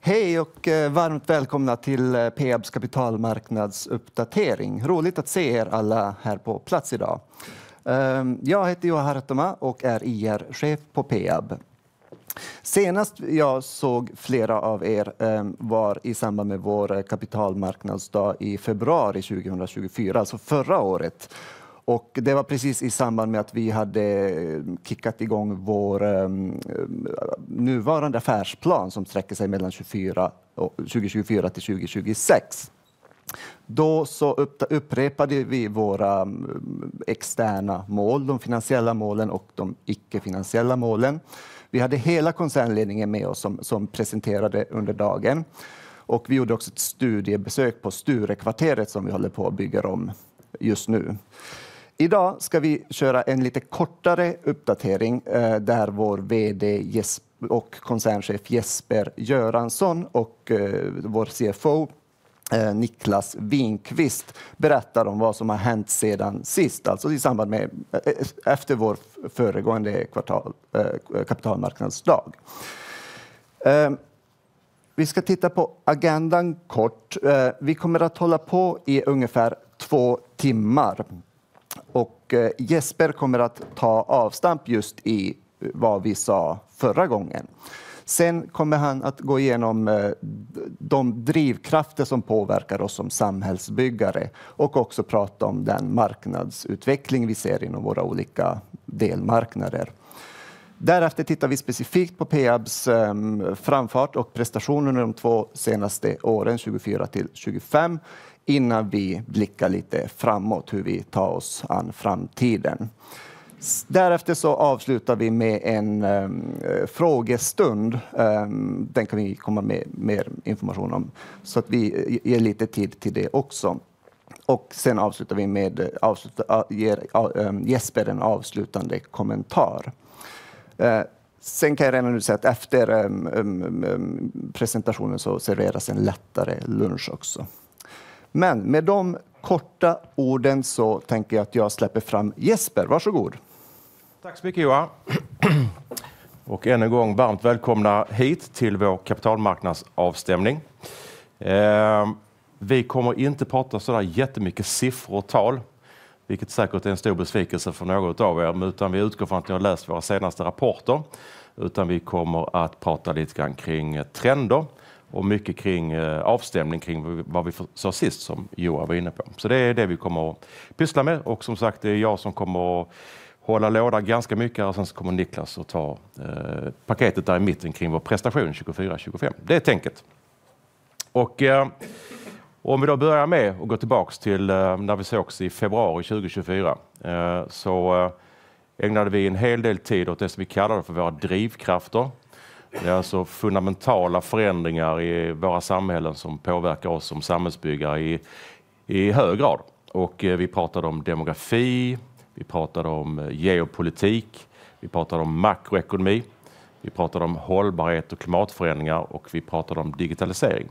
Hej och varmt välkomna till Peabs kapitalmarknadsuppdatering. Roligt att se alla här på plats idag. Jag heter Johan Hartema och är IR-chef på Peab. Senast jag såg flera av er var i samband med vår kapitalmarknadsdag i februari 2024, alltså förra året. Det var precis i samband med att vi hade kickat igång vår nuvarande affärsplan som sträcker sig mellan 2024 till 2026. Då upprepade vi våra externa mål, de finansiella målen och de icke-finansiella målen. Vi hade hela koncernledningen med oss som presenterade under dagen. Vi gjorde också ett studiebesök på Sturekvarteret som vi håller på och bygger om just nu. Idag ska vi köra en lite kortare uppdatering där vår VD och koncernchef Jesper Göransson och vår CFO Niklas Winqvist berättar om vad som har hänt sedan sist, alltså i samband med efter vår föregående kapitalmarknadsdag. Vi ska titta på agendan kort. Vi kommer att hålla på i ungefär två timmar. Jesper kommer att ta avstamp just i vad vi sa förra gången. Sen kommer han att gå igenom de drivkrafter som påverkar oss som samhällsbyggare och också prata om den marknadsutveckling vi ser inom våra olika delmarknader. Därefter tittar vi specifikt på Peabs framfart och prestation under de två senaste åren, 2024 till 2025, innan vi blickar lite framåt hur vi tar oss an framtiden. Därefter avslutar vi med en frågestund. Den kan vi komma med mer information om, så att vi ger lite tid till det också. Sen avslutar vi med att ge Jesper en avslutande kommentar. Sen kan jag redan nu säga att efter presentationen serveras en lättare lunch också. Men med de korta orden tänker jag att jag släpper fram Jesper. Varsågod. Tack så mycket, Johan. Och än en gång varmt välkomna hit till vår kapitalmarknadsavstämning. Vi kommer inte prata så där jättemycket siffror och tal, vilket säkert är en stor besvikelse för några av er, utan vi utgår från att ni har läst våra senaste rapporter. Utan vi kommer att prata lite grann kring trender och mycket kring avstämning kring vad vi sa sist, som Johan var inne på. Det är det vi kommer att pyssla med. Som sagt, det är jag som kommer att hålla låda ganska mycket här, och sen så kommer Niklas att ta paketet där i mitten kring vår prestation 2024-2025. Det är tänket. Om vi då börjar med att gå tillbaka till när vi sågs i februari 2024, så ägnade vi en hel del tid åt det som vi kallar för våra drivkrafter. Det är alltså fundamentala förändringar i våra samhällen som påverkar oss som samhällsbyggare i hög grad. Vi pratade om demografi, vi pratade om geopolitik, vi pratade om makroekonomi, vi pratade om hållbarhet och klimatförändringar, och vi pratade om digitalisering.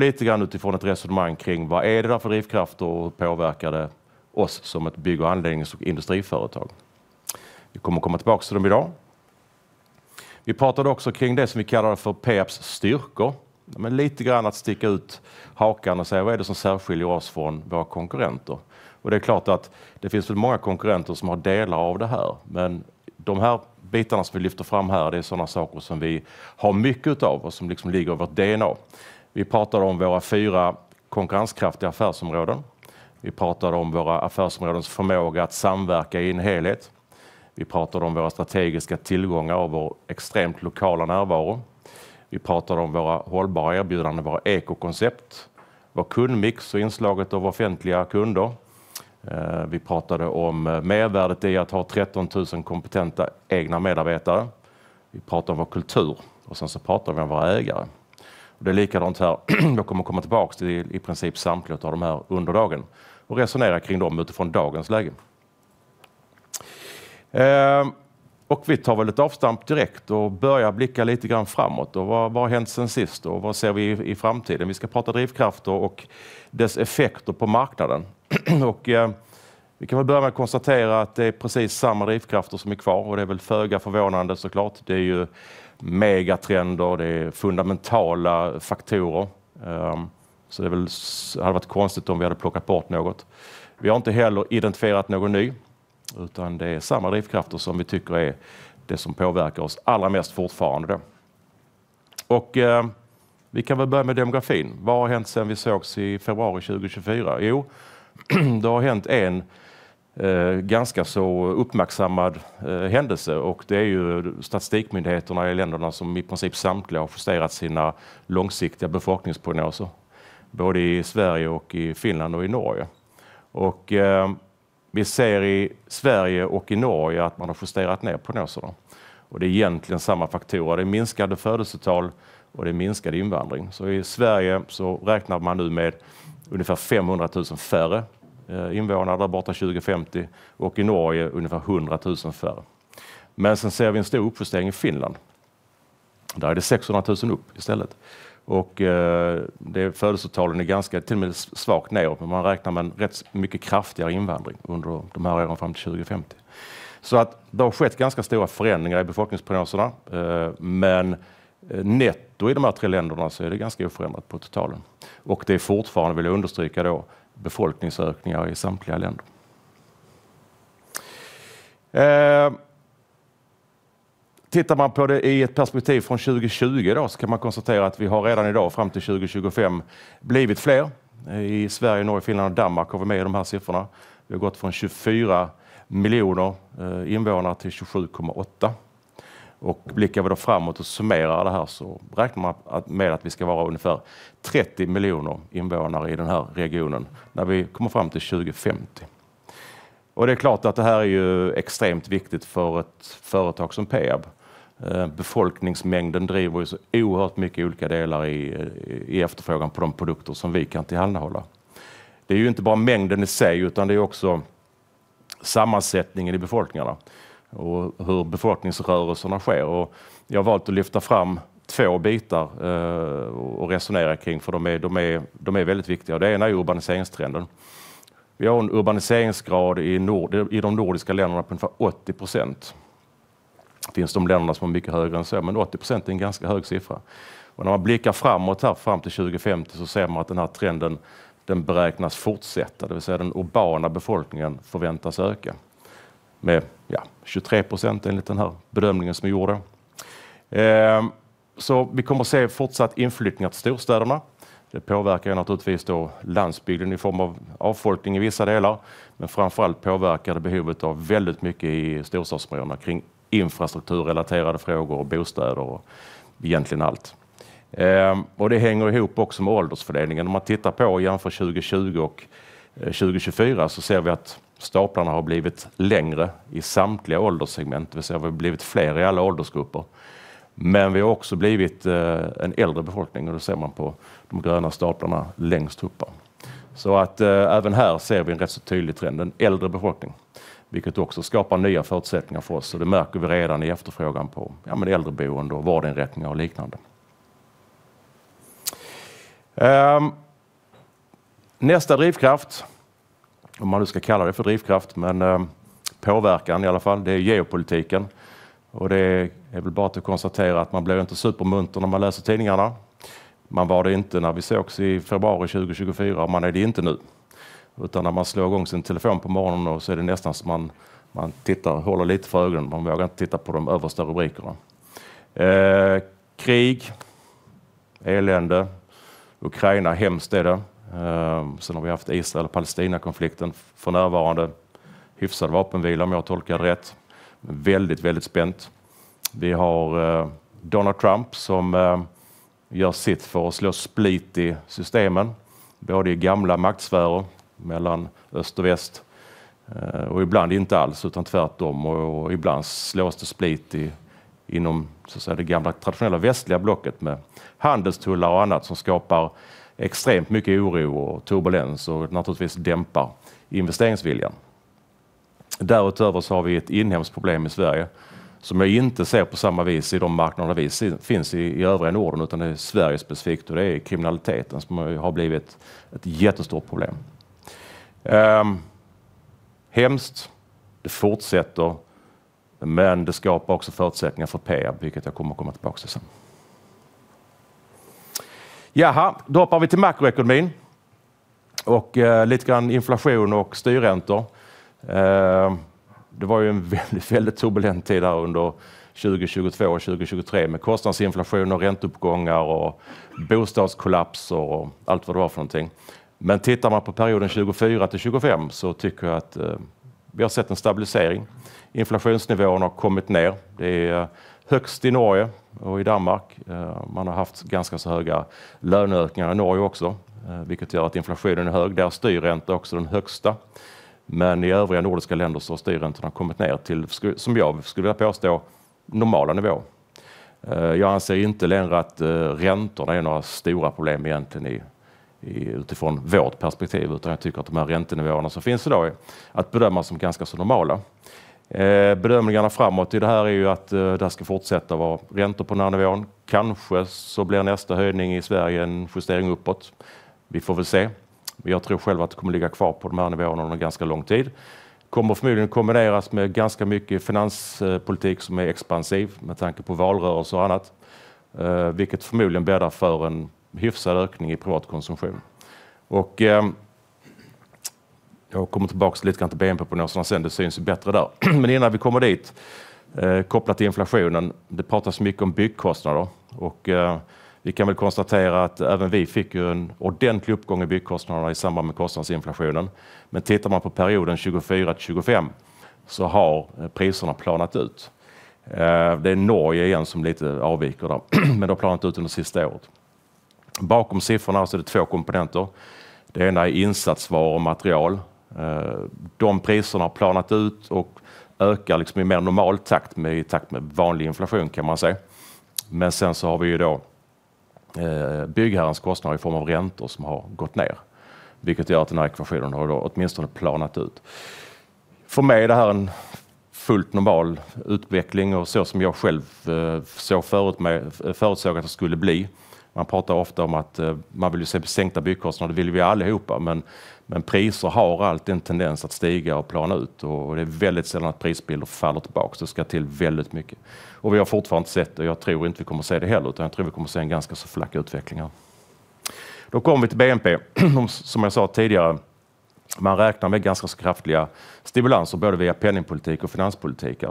Lite grann utifrån ett resonemang kring vad är det där för drivkrafter och påverkar det oss som ett bygg- och anläggnings- och industriföretag. Vi kommer att komma tillbaka till dem idag. Vi pratade också kring det som vi kallar för Peabs styrkor. Lite grann att sticka ut hakan och säga vad är det som särskiljer oss från våra konkurrenter. Det är klart att det finns väl många konkurrenter som har delar av det här, men de här bitarna som vi lyfter fram här, det är sådana saker som vi har mycket av och som liksom ligger i vårt DNA. Vi pratade om våra fyra konkurrenskraftiga affärsområden. Vi pratade om våra affärsområdens förmåga att samverka i en helhet. Vi pratade om våra strategiska tillgångar och vår extremt lokala närvaro. Vi pratade om våra hållbara erbjudanden, våra ekokoncept, vår kundmix och inslaget av offentliga kunder. Vi pratade om mervärdet i att ha 13 000 kompetenta egna medarbetare. Vi pratade om vår kultur, och sen så pratade vi om våra ägare. Det är likadant här, jag kommer att komma tillbaka till i princip samtliga av de här under dagen och resonera kring dem utifrån dagens läge. Vi tar väl ett avstamp direkt och börjar blicka lite grann framåt. Vad har hänt sen sist, och vad ser vi i framtiden? Vi ska prata drivkrafter och dess effekter på marknaden. Vi kan väl börja med att konstatera att det är precis samma drivkrafter som är kvar, och det är väl föga förvånande såklart. Det är ju megatrender, det är fundamentala faktorer. Så det hade varit konstigt om vi hade plockat bort något. Vi har inte heller identifierat någon ny, utan det är samma drivkrafter som vi tycker är det som påverkar oss allra mest fortfarande då. Vi kan väl börja med demografin. Vad har hänt sen vi sågs i februari 2024? Det har hänt en ganska så uppmärksammad händelse, och det är statistikmyndigheterna i länderna som i princip samtliga har justerat sina långsiktiga befolkningsprognoser, både i Sverige och i Finland och i Norge. Vi ser i Sverige och i Norge att man har justerat ner prognoserna. Det är egentligen samma faktorer. Det är minskade födelsetal och det är minskad invandring. I Sverige så räknar man nu med ungefär 500,000 färre invånare där borta 2050, och i Norge ungefär 100,000 färre. Men sen ser vi en stor uppjustering i Finland. Där är det 600 000 upp istället. Och födelsetalen är ganska till och med svagt ner, men man räknar med en rätt mycket kraftigare invandring under de här åren fram till 2050. Så att det har skett ganska stora förändringar i befolkningsprognoserna, men netto i de här tre länderna så är det ganska oförändrat på totalen. Och det är fortfarande, vill jag understryka, då befolkningsökningar i samtliga länder. Tittar man på det i ett perspektiv från 2020 då, så kan man konstatera att vi har redan idag fram till 2025 blivit fler. I Sverige, Norge, Finland och Danmark har vi med i de här siffrorna. Vi har gått från 24 miljoner invånare till 27,8. Och blickar vi då framåt och summerar det här så räknar man med att vi ska vara ungefär 30 miljoner invånare i den här regionen när vi kommer fram till 2050. Det är klart att det här är ju extremt viktigt för ett företag som Peab. Befolkningsmängden driver ju så oerhört mycket olika delar i efterfrågan på de produkter som vi kan tillhandahålla. Det är ju inte bara mängden i sig, utan det är också sammansättningen i befolkningarna och hur befolkningsrörelserna sker. Jag har valt att lyfta fram två bitar och resonera kring, för de är väldigt viktiga. Det ena är urbaniseringstrenden. Vi har en urbaniseringsgrad i de nordiska länderna på ungefär 80%. Det finns de länderna som har mycket högre än så, men 80% är en ganska hög siffra. Och när man blickar framåt här fram till 2050 så ser man att den här trenden den beräknas fortsätta, det vill säga den urbana befolkningen förväntas öka med 23% enligt den här bedömningen som är gjord. Så vi kommer att se fortsatt inflyttning till storstäderna. Det påverkar naturligtvis då landsbygden i form av avfolkning i vissa delar, men framför allt påverkar det behovet av väldigt mycket i storstadsmiljöerna kring infrastrukturrelaterade frågor och bostäder och egentligen allt. Och det hänger ihop också med åldersfördelningen. Om man tittar på och jämför 2020 och 2024 så ser vi att staplarna har blivit längre i samtliga ålderssegment, det vill säga vi har blivit fler i alla åldersgrupper. Men vi har också blivit en äldre befolkning, och det ser man på de gröna staplarna längst uppe. Så att även här ser vi en rätt så tydlig trend, en äldre befolkning, vilket också skapar nya förutsättningar för oss, och det märker vi redan i efterfrågan på äldreboende och vardagsinrättningar och liknande. Nästa drivkraft, om man nu ska kalla det för drivkraft, men påverkan i alla fall, det är geopolitiken. Det är väl bara att konstatera att man blir ju inte supermunt när man läser tidningarna. Man var det inte när vi sågs i februari 2024, och man är det inte nu. När man slår igång sin telefon på morgonen så är det nästan så man tittar och håller lite för ögonen, man vågar inte titta på de översta rubrikerna. Krig, elände, Ukraina hemskt är det. Sen har vi haft Israel-Palestina-konflikten, för närvarande hyfsade vapenvila om jag tolkar det rätt. Väldigt, väldigt spänt. Vi har Donald Trump som gör sitt för att slå split i systemen, både i gamla maktsfärer mellan öst och väst, och ibland inte alls utan tvärtom, och ibland slås det split inom det gamla traditionella västliga blocket med handelstullar och annat som skapar extremt mycket oro och turbulens och naturligtvis dämpar investeringsviljan. Därutöver så har vi ett inhemskt problem i Sverige som jag inte ser på samma vis i de marknader där vi finns i övriga Norden, utan det är Sverige specifikt, och det är kriminaliteten som har blivit ett jättestort problem. Hemskt, det fortsätter, men det skapar också förutsättningar för Peab, vilket jag kommer att komma tillbaka till sen. Jaha, då hoppar vi till makroekonomin och lite grann inflation och styrräntor. Det var ju en väldigt, väldigt turbulent tid här under 2022 och 2023 med kostnadsinflation och ränteuppgångar och bostadskollapser och allt vad det var för någonting. Men tittar man på perioden 2024 till 2025 så tycker jag att vi har sett en stabilisering. Inflationsnivåerna har kommit ner. Det är högst i Norge och i Danmark. Man har haft ganska så höga löneökningar i Norge också, vilket gör att inflationen är hög. Där är styrräntor också den högsta. Men i övriga nordiska länder så har styrräntorna kommit ner till, som jag skulle vilja påstå, normala nivåer. Jag anser inte längre att räntorna är några stora problem egentligen utifrån vårt perspektiv, utan jag tycker att de här räntenivåerna som finns idag är att bedöma som ganska så normala. Bedömningarna framåt i det här är ju att det här ska fortsätta vara räntor på den här nivån. Kanske så blir nästa höjning i Sverige en justering uppåt. Vi får väl se. Jag tror själv att det kommer att ligga kvar på de här nivåerna under ganska lång tid. Det kommer förmodligen att kombineras med ganska mycket finanspolitik som är expansiv med tanke på valrörelse och annat, vilket förmodligen bäddar för en hyfsad ökning i privatkonsumtion. Jag kommer tillbaka lite grann till BNP-prognoserna sen, det syns ju bättre där. Men innan vi kommer dit, kopplat till inflationen, det pratas mycket om byggkostnader. Vi kan väl konstatera att även vi fick ju en ordentlig uppgång i byggkostnaderna i samband med kostnadsinflationen. Men tittar man på perioden 2024-2025 så har priserna planat ut. Det är Norge igen som lite avviker där, men det har planat ut under sista året. Bakom siffrorna här så är det två komponenter. Det ena är insatsvaror och material. De priserna har planat ut och ökar i mer normal takt i takt med vanlig inflation kan man säga. Men sen så har vi ju då byggherrens kostnader i form av räntor som har gått ner, vilket gör att den här ekvationen har då åtminstone planat ut. För mig är det här en fullt normal utveckling och så som jag själv så förut förutsåg att det skulle bli. Man pratar ofta om att man vill ju se sänkta byggkostnader, det vill vi ju allihopa, men priser har alltid en tendens att stiga och plana ut, och det är väldigt sällan att prisbilden faller tillbaka och ska till väldigt mycket. Vi har fortfarande sett, och jag tror inte vi kommer att se det heller, utan jag tror vi kommer att se en ganska så flack utveckling här. Då kommer vi till BNP. Som jag sa tidigare, man räknar med ganska så kraftiga stimulanser både via penningpolitik och finanspolitik.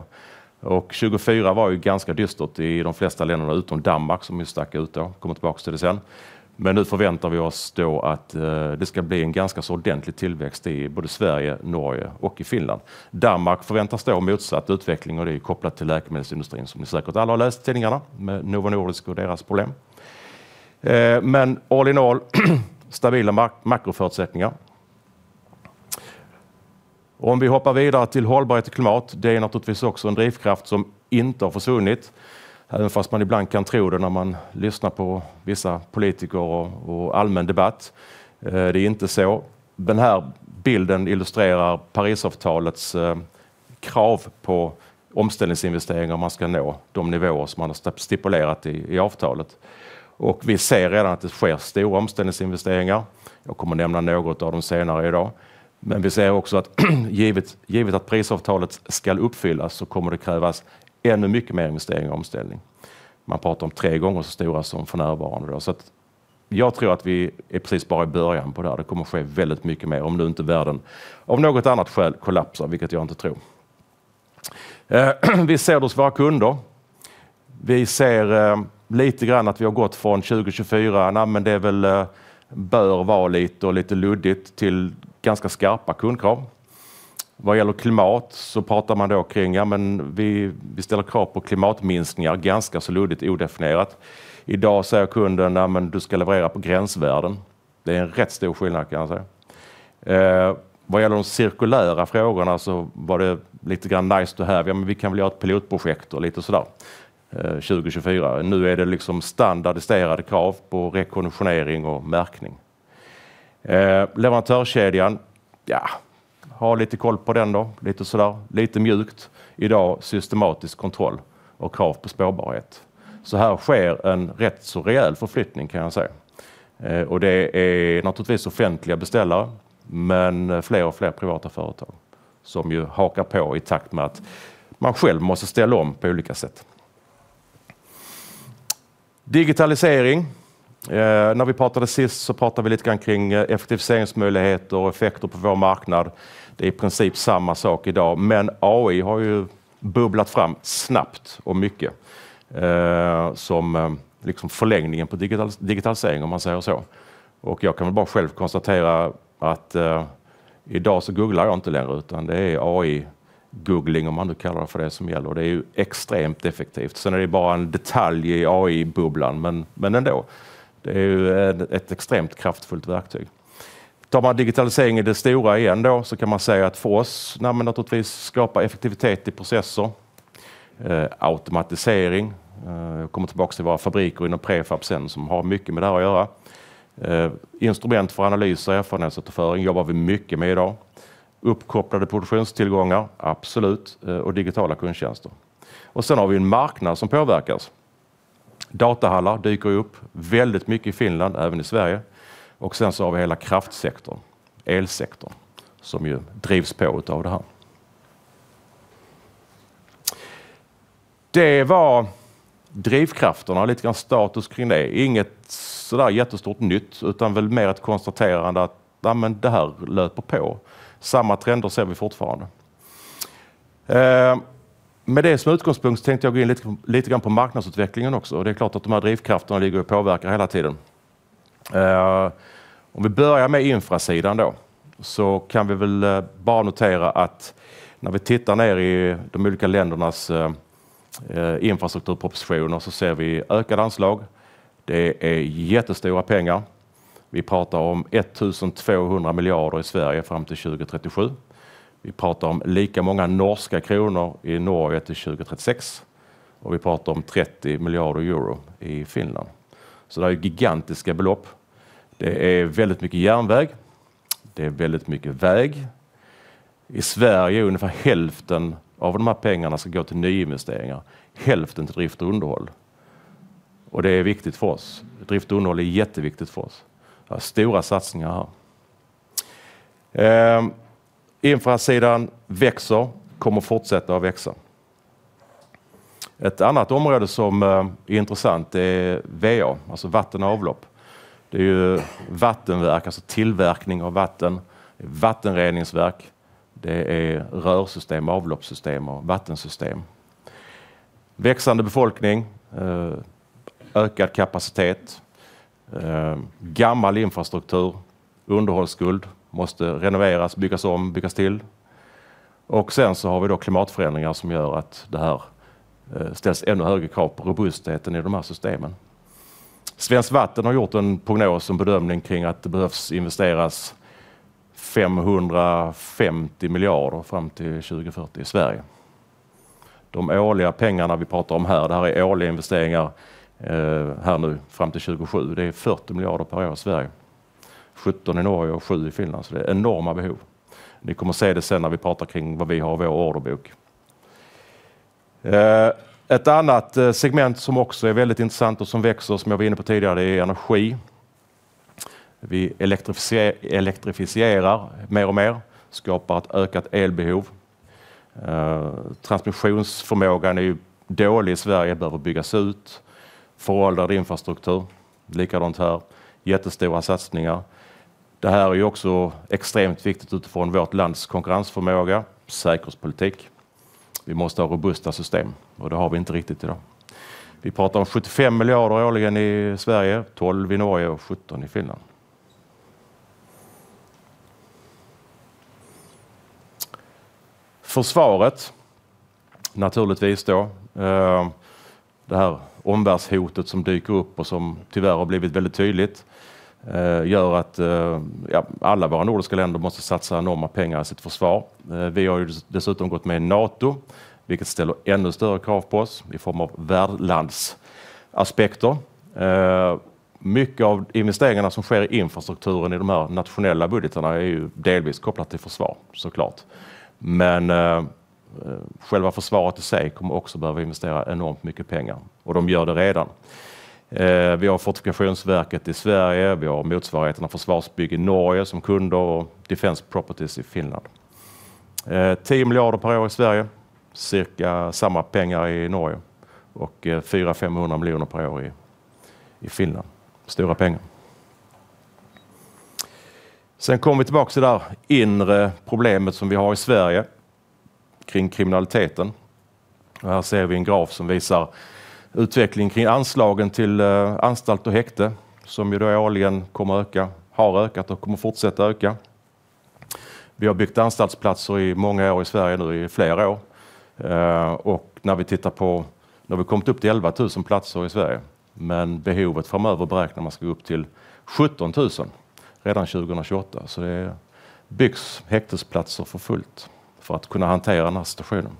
2024 var ju ganska dystert i de flesta länderna utom Danmark som ju stack ut då, kommer tillbaka till det sen. Men nu förväntar vi oss då att det ska bli en ganska så ordentlig tillväxt i både Sverige, Norge och i Finland. Danmark förväntas då ha motsatt utveckling, och det är ju kopplat till läkemedelsindustrin som ni säkert alla har läst i tidningarna med Novo Nordisk och deras problem. Men all in all, stabila makroförutsättningar. Om vi hoppar vidare till hållbarhet och klimat, det är naturligtvis också en drivkraft som inte har försvunnit, även fast man ibland kan tro det när man lyssnar på vissa politiker och allmän debatt. Det är inte så. Den här bilden illustrerar Parisavtalets krav på omställningsinvesteringar om man ska nå de nivåer som man har stipulerat i avtalet. Vi ser redan att det sker stora omställningsinvesteringar. Jag kommer att nämna några av dem senare idag. Men vi ser också att givet att Parisavtalet ska uppfyllas så kommer det krävas mycket mer investeringar i omställning. Man pratar om tre gånger så stora som för närvarande. Så jag tror att vi är precis bara i början på det här. Det kommer att ske mycket mer om nu inte världen av något annat skäl kollapsar, vilket jag inte tror. Vi ser det hos våra kunder. Vi ser att vi har gått från 2024, det är lite luddigt till ganska skarpa kundkrav. Vad gäller klimat så pratar man då kring, vi ställer krav på klimatminskningar ganska så luddigt och odefinierat. Idag säger kunden, du ska leverera på gränsvärden. Det är en rätt stor skillnad kan jag säga. Vad gäller de cirkulära frågorna så var det lite grann nice to have, ja men vi kan väl göra ett pilotprojekt och lite sådär. 2024. Nu är det liksom standardiserade krav på rekonditionering och märkning. Leverantörskedjan, ja, ha lite koll på den då, lite sådär, lite mjukt. Idag systematisk kontroll och krav på spårbarhet. Så här sker en rätt så rejäl förflyttning kan jag säga. Det är naturligtvis offentliga beställare, men fler och fler privata företag som ju hakar på i takt med att man själv måste ställa om på olika sätt. Digitalisering. När vi pratade sist så pratade vi lite grann kring effektiviseringsmöjligheter och effekter på vår marknad. Det är i princip samma sak idag, men AI har ju bubblat fram snabbt och mycket som liksom förlängningen på digitalisering, om man säger så. Och jag kan väl bara själv konstatera att idag så googlar jag inte längre, utan det är AI-googling, om man nu kallar det för det som gäller. Det är ju extremt effektivt. Sen är det bara en detalj i AI-bubblan, men ändå. Det är ju ett extremt kraftfullt verktyg. Tar man digitalisering i det stora igen då, så kan man säga att för oss, naturligtvis skapa effektivitet i processer, automatisering. Jag kommer tillbaka till våra fabriker inom Prefab sen som har mycket med det här att göra. Instrument för analys och erfarenhetsutföring jobbar vi mycket med idag. Uppkopplade produktionstillgångar, absolut. Och digitala kundtjänster. Och sen har vi en marknad som påverkas. Datahallar dyker upp väldigt mycket i Finland, även i Sverige. Och sen så har vi hela kraftsektorn, elsektorn, som ju drivs på av det här. Det var drivkrafterna, lite grann status kring det. Inget sådär jättestort nytt, utan väl mer ett konstaterande att det här löper på. Samma trender ser vi fortfarande. Med det som utgångspunkt så tänkte jag gå in lite grann på marknadsutvecklingen också. Det är klart att de här drivkrafterna ligger och påverkar hela tiden. Om vi börjar med infrasidan då, så kan vi väl bara notera att när vi tittar ner i de olika ländernas infrastrukturpropositioner så ser vi ökade anslag. Det är jättestora pengar. Vi pratar om 1 200 miljarder kronor i Sverige fram till 2037. Vi pratar om lika många norska kronor i Norge till 2036. Vi pratar om 30 miljarder euro i Finland. Så det är ju gigantiska belopp. Det är väldigt mycket järnväg. Det är väldigt mycket väg. I Sverige är ungefär hälften av de här pengarna som går till nyinvesteringar. Hälften till drift och underhåll. Det är viktigt för oss. Drift och underhåll är jätteviktigt för oss. Det är stora satsningar här. Infrasidan växer, kommer fortsätta att växa. Ett annat område som är intressant är VA, alltså vatten och avlopp. Det är ju vattenverk, alltså tillverkning av vatten. Det är vattenreningsverk. Det är rörsystem, avloppssystem och vattensystem. Växande befolkning, ökad kapacitet, gammal infrastruktur, underhållsskuld, måste renoveras, byggas om, byggas till. Sen så har vi då klimatförändringar som gör att det här ställs ännu högre krav på robustheten i de här systemen. Svenskt Vatten har gjort en prognos och en bedömning kring att det behövs investeras 550 miljarder fram till 2040 i Sverige. De årliga pengarna vi pratar om här, det här är årliga investeringar här nu fram till 2027, det är 40 miljarder per år i Sverige. 17 i Norge och 7 i Finland, så det är enorma behov. Ni kommer se det sen när vi pratar kring vad vi har i vår orderbok. Ett annat segment som också är väldigt intressant och som växer, som jag var inne på tidigare, det är energi. Vi elektrifierar mer och mer, skapar ett ökat elbehov. Transmissionsförmågan är ju dålig i Sverige, behöver byggas ut. Föråldrad infrastruktur, likadant här, jättestora satsningar. Det här är ju också extremt viktigt utifrån vårt lands konkurrensförmåga, säkerhetspolitik. Vi måste ha robusta system, och det har vi inte riktigt idag. Vi pratar om 75 miljarder årligen i Sverige, 12 i Norge och 17 i Finland. Försvaret, naturligtvis då. Det här omvärldshotet som dyker upp och som tyvärr har blivit väldigt tydligt, gör att ja, alla våra nordiska länder måste satsa enorma pengar i sitt försvar. Vi har ju dessutom gått med i NATO, vilket ställer ännu större krav på oss i form av värdlandsaspekter. Mycket av investeringarna som sker i infrastrukturen i de här nationella budgetarna är ju delvis kopplat till försvar, såklart. Men själva försvaret i sig kommer också behöva investera enormt mycket pengar, och de gör det redan. Vi har Fortifikationsverket i Sverige, vi har motsvarigheterna Försvarsbygg i Norge som kunder och Defense Properties i Finland. 10 miljarder kronor per år i Sverige, cirka samma pengar i Norge, och 400-500 miljoner kronor per år i Finland. Stora pengar. Sen kommer vi tillbaka till det där inre problemet som vi har i Sverige kring kriminaliteten. Här ser vi en graf som visar utveckling kring anslagen till anstalt och häkte, som ju då årligen kommer att öka, har ökat och kommer att fortsätta öka. Vi har byggt anstaltsplatser i många år i Sverige nu, i flera år. Och när vi tittar på, nu har vi kommit upp till 11 000 platser i Sverige, men behovet framöver beräknar man ska gå upp till 17 000 redan 2028. Så det byggs häktesplatser för fullt för att kunna hantera den här situationen.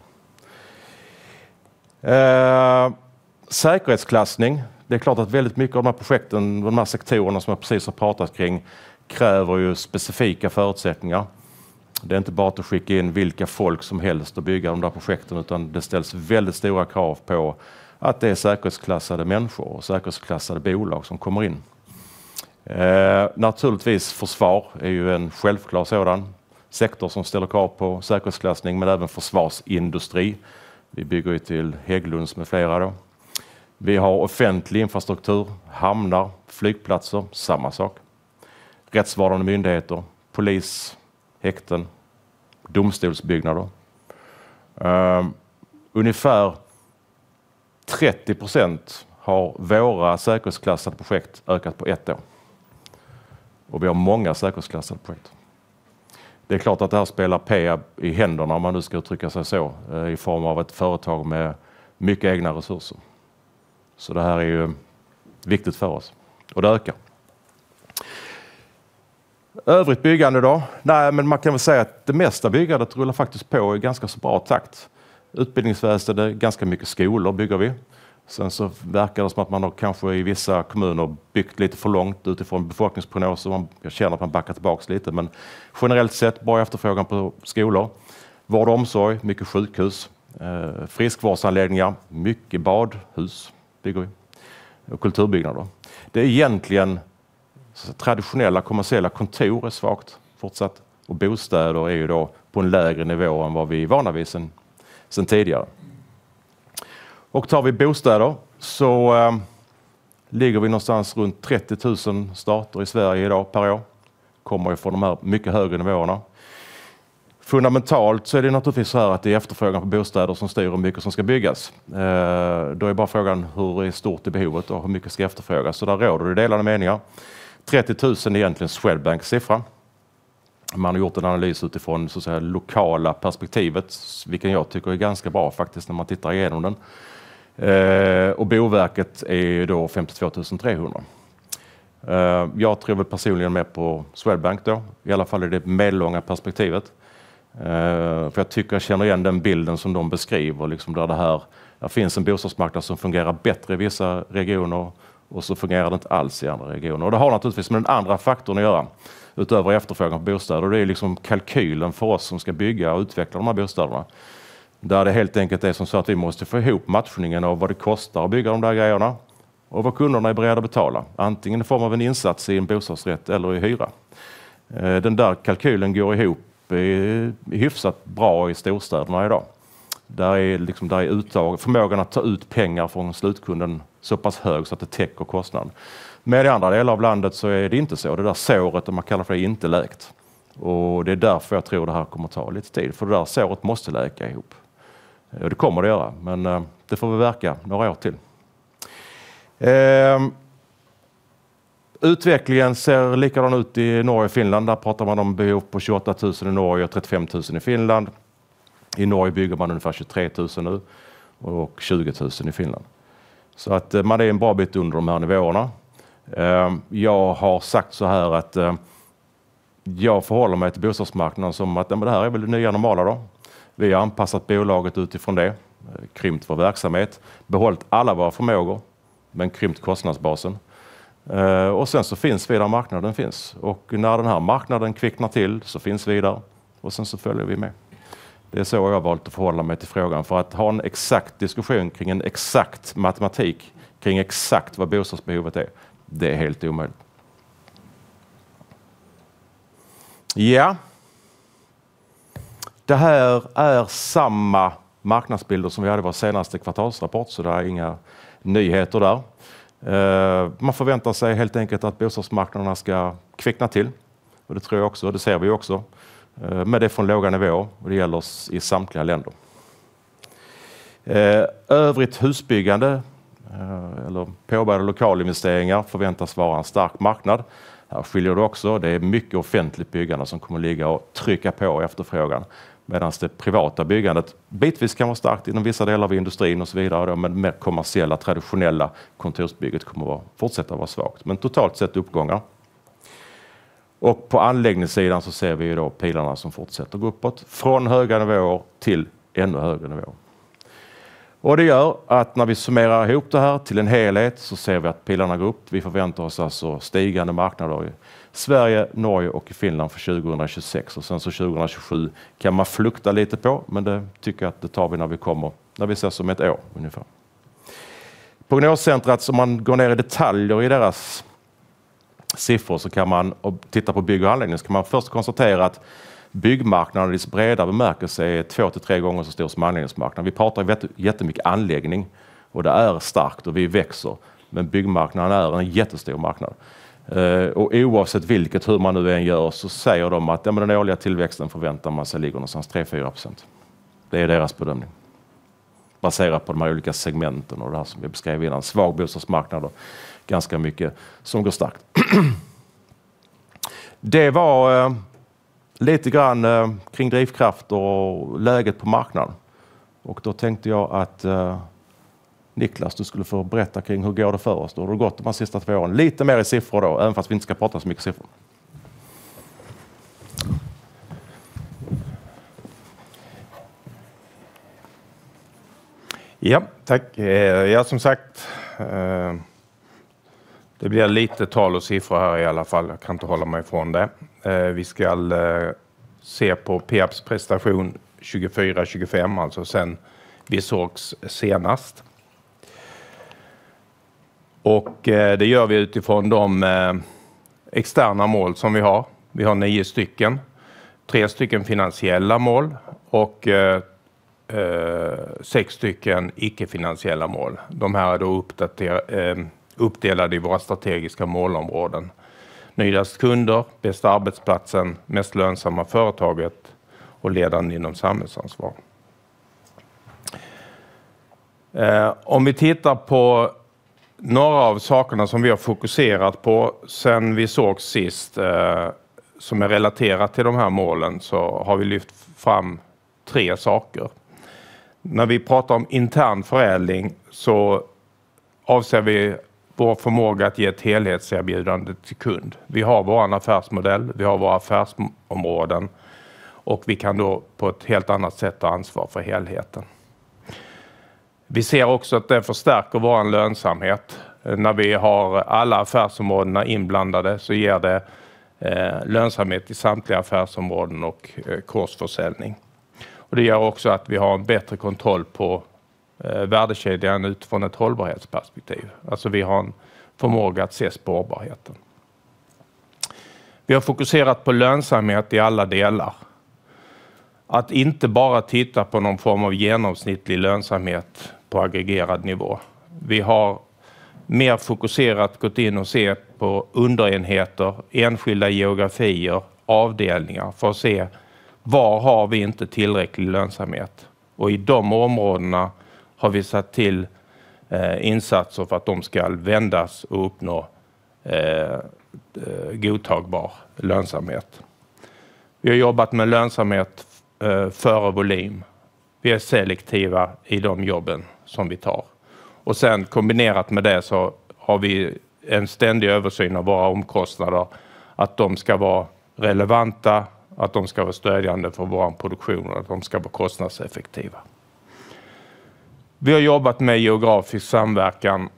Säkerhetsklassning, det är klart att väldigt mycket av de här projekten, de här sektorerna som jag precis har pratat kring, kräver ju specifika förutsättningar. Det är inte bara att skicka in vilka folk som helst och bygga de där projekten, utan det ställs väldigt stora krav på att det är säkerhetsklassade människor och säkerhetsklassade bolag som kommer in. Naturligtvis försvar är ju en självklar sådan sektor som ställer krav på säkerhetsklassning, men även försvarsindustri. Vi bygger ju till Hägglunds med flera då. Vi har offentlig infrastruktur, hamnar, flygplatser, samma sak. Rättsvårdande myndigheter, polis, häkten, domstolsbyggnader. Ungefär 30% har våra säkerhetsklassade projekt ökat på ett år. Och vi har många säkerhetsklassade projekt. Det är klart att det här spelar PEAB i händerna, om man nu ska uttrycka sig så, i form av ett företag med mycket egna resurser. Så det här är ju viktigt för oss, och det ökar. Övrigt byggande då, nej men man kan väl säga att det mesta byggandet rullar faktiskt på i ganska så bra takt. Utbildningsväsendet, ganska mycket skolor bygger vi. Sen så verkar det som att man har kanske i vissa kommuner byggt lite för långt utifrån befolkningsprognoser. Man känner att man backar tillbaka lite, men generellt sett bra efterfrågan på skolor. Vård och omsorg, mycket sjukhus, friskvårdsanläggningar, mycket bad, hus bygger vi. Och kulturbyggnader då. Det är egentligen traditionella kommersiella kontor är svagt fortsatt, och bostäder är ju då på en lägre nivå än vad vi är i vanliga fall sedan tidigare. Och tar vi bostäder så ligger vi någonstans runt 30 000 stater i Sverige idag per år. Kommer ju från de här mycket högre nivåerna. Fundamentalt så är det naturligtvis så här att det är efterfrågan på bostäder som styr hur mycket som ska byggas. Då är bara frågan hur stort är behovet och hur mycket ska efterfrågas, så där råder det delade meningar. 30 000 är egentligen Swedbanks siffra. Man har gjort en analys utifrån det lokala perspektivet, vilken jag tycker är ganska bra faktiskt när man tittar igenom den. Och Boverket är ju då 52 300. Jag tror väl personligen mer på Swedbank då, i alla fall i det medellånga perspektivet. För jag tycker jag känner igen den bilden som de beskriver, där det här, där finns en bostadsmarknad som fungerar bättre i vissa regioner, och så fungerar det inte alls i andra regioner. Och det har naturligtvis med den andra faktorn att göra, utöver efterfrågan på bostäder, och det är ju liksom kalkylen för oss som ska bygga och utveckla de här bostäderna. Där det helt enkelt är som så att vi måste få ihop matchningen av vad det kostar att bygga de där grejerna, och vad kunderna är beredda att betala. Antingen i form av en insats i en bostadsrätt eller i hyra. Den där kalkylen går ihop hyfsat bra i storstäderna idag. Där är liksom, där är uttag, förmågan att ta ut pengar från slutkunden så pass hög så att det täcker kostnaden. Men i andra delar av landet så är det inte så, det där såret, om man kallar det för det, inte läkt. Och det är därför jag tror det här kommer att ta lite tid, för det där såret måste läka ihop. Och det kommer det göra, men det får väl verka några år till. Utvecklingen ser likadan ut i Norge och Finland, där pratar man om behov på 28 000 i Norge och 35 000 i Finland. I Norge bygger man ungefär 23 000 nu och 20 000 i Finland. Så att man är en bra bit under de här nivåerna. Jag har sagt så här att jag förhåller mig till bostadsmarknaden som att det här är väl det nya normala då. Vi har anpassat bolaget utifrån det, krympt vår verksamhet, behållit alla våra förmågor, men krympt kostnadsbasen. Sen så finns vi där marknaden finns. När den här marknaden kvicknar till så finns vi där, och sen så följer vi med. Det är så jag har valt att förhålla mig till frågan, för att ha en exakt diskussion kring en exakt matematik, kring exakt vad bostadsbehovet är, det är helt omöjligt. Det här är samma marknadsbilder som vi hade i vår senaste kvartalsrapport, så det är inga nyheter där. Man förväntar sig helt enkelt att bostadsmarknaderna ska kvickna till, och det tror jag också, det ser vi också. Men det är från låga nivåer, och det gäller i samtliga länder. Övrigt husbyggande, eller påbörjade lokalinvesteringar förväntas vara en stark marknad. Här skiljer det också, det är mycket offentligt byggande som kommer att ligga och trycka på efterfrågan, medan det privata byggandet bitvis kan vara starkt inom vissa delar av industrin och så vidare. Men det mer kommersiella, traditionella kontorsbygget kommer att fortsätta vara svagt. Men totalt sett uppgångar. På anläggningssidan ser vi pilarna som fortsätter gå uppåt, från höga nivåer till ännu högre nivåer. Det gör att när vi summerar ihop det här till en helhet så ser vi att pilarna går upp. Vi förväntar oss alltså stigande marknader i Sverige, Norge och i Finland för 2026, och sen 2027 kan man flukta lite på, men det tycker jag att det tar vi när vi kommer, när vi ses om ett år ungefär. Prognoscentrat, om man går ner i detaljer i deras siffror så kan man, och tittar på bygg och anläggning, så kan man först konstatera att byggmarknaden i sitt breda bemärkelse är två till tre gånger så stor som anläggningsmarknaden. Vi pratar jättemycket anläggning, och det är starkt och vi växer, men byggmarknaden är en jättestor marknad. Och oavsett vilket, hur man nu än gör, så säger de att den årliga tillväxten förväntar man sig ligger någonstans 3-4%. Det är deras bedömning, baserat på de här olika segmenten och det här som vi beskrev innan, svag bostadsmarknad och ganska mycket som går starkt. Det var lite grann kring drivkraft och läget på marknaden, och då tänkte jag att Niklas, du skulle få berätta kring hur går det för oss, då har det gått de här sista två åren, lite mer i siffror då, även fast vi inte ska prata så mycket siffror. Ja, tack. Ja, som sagt, det blir lite tal och siffror här i alla fall, jag kan inte hålla mig från det. Vi ska se på PEABs prestation 2024-2025, alltså sedan vi sågs senast. Och det gör vi utifrån de externa mål som vi har. Vi har nio stycken, tre stycken finansiella mål och sex stycken icke-finansiella mål. De här är då uppdelade i våra strategiska målområden: nyaste kunder, bästa arbetsplatsen, mest lönsamma företaget och ledaren inom samhällsansvar. Om vi tittar på några av sakerna som vi har fokuserat på sedan vi sågs sist, som är relaterat till de här målen, så har vi lyft fram tre saker. När vi pratar om intern förädling så avser vi vår förmåga att ge ett helhetserbjudande till kund. Vi har vår affärsmodell, vi har våra affärsområden, och vi kan då på ett helt annat sätt ta ansvar för helheten. Vi ser också att det förstärker vår lönsamhet. När vi har alla affärsområdena inblandade så ger det lönsamhet i samtliga affärsområden och korsförsäljning. Det gör också att vi har en bättre kontroll på värdekedjan utifrån ett hållbarhetsperspektiv. Alltså, vi har en förmåga att se spårbarheten. Vi har fokuserat på lönsamhet i alla delar. Att inte bara titta på någon form av genomsnittlig lönsamhet på aggregerad nivå. Vi har mer fokuserat gått in och sett på underenheter, enskilda geografier, avdelningar, för att se var har vi inte tillräcklig lönsamhet. Och i de områdena har vi satt till insatser för att de ska vändas och uppnå godtagbar lönsamhet. Vi har jobbat med lönsamhet före volym. Vi är selektiva i de jobben som vi tar. Och sedan, kombinerat med det, så har vi en ständig översyn av våra omkostnader, att de ska vara relevanta, att de ska vara stödjande för vår produktion och att de ska vara kostnadseffektiva. Vi har jobbat med geografisk samverkan,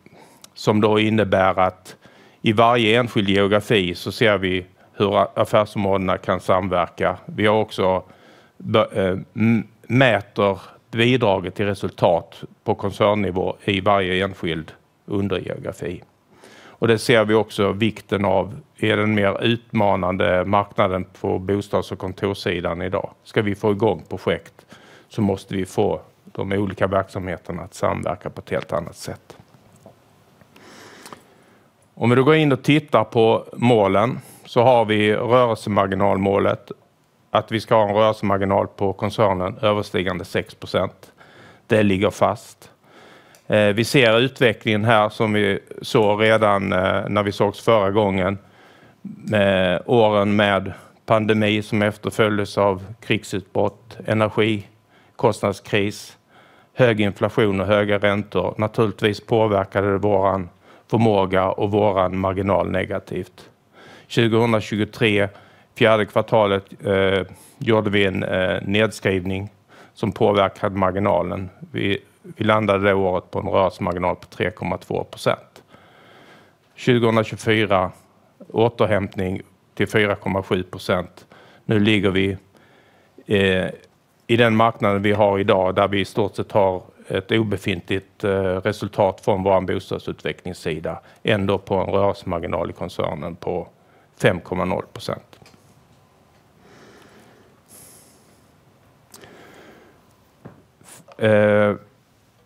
som då innebär att i varje enskild geografi så ser vi hur affärsområdena kan samverka. Vi har också mätt bidraget till resultat på koncernnivå i varje enskild undergeografi. Och det ser vi också vikten av, är den mer utmanande marknaden på bostads- och kontorsidan idag. Ska vi få igång projekt så måste vi få de olika verksamheterna att samverka på ett helt annat sätt. Om vi då går in och tittar på målen så har vi rörelsemarginalmålet, att vi ska ha en rörelsemarginal på koncernen överstigande 6%. Det ligger fast. Vi ser utvecklingen här som vi såg redan när vi sågs förra gången, med åren med pandemi som efterföljdes av krigsutbrott, energikostnadskris, hög inflation och höga räntor. Naturligtvis påverkade det vår förmåga och vår marginal negativt. 2023, fjärde kvartalet, gjorde vi en nedskrivning som påverkade marginalen. Vi landade det året på en rörelsemarginal på 3,2%. 2024, återhämtning till 4,7%. Nu ligger vi i den marknaden vi har idag, där vi i stort sett har ett obefintligt resultat från vår bostadsutvecklingssida, ändå på en rörelsemarginal i koncernen på 5,0%.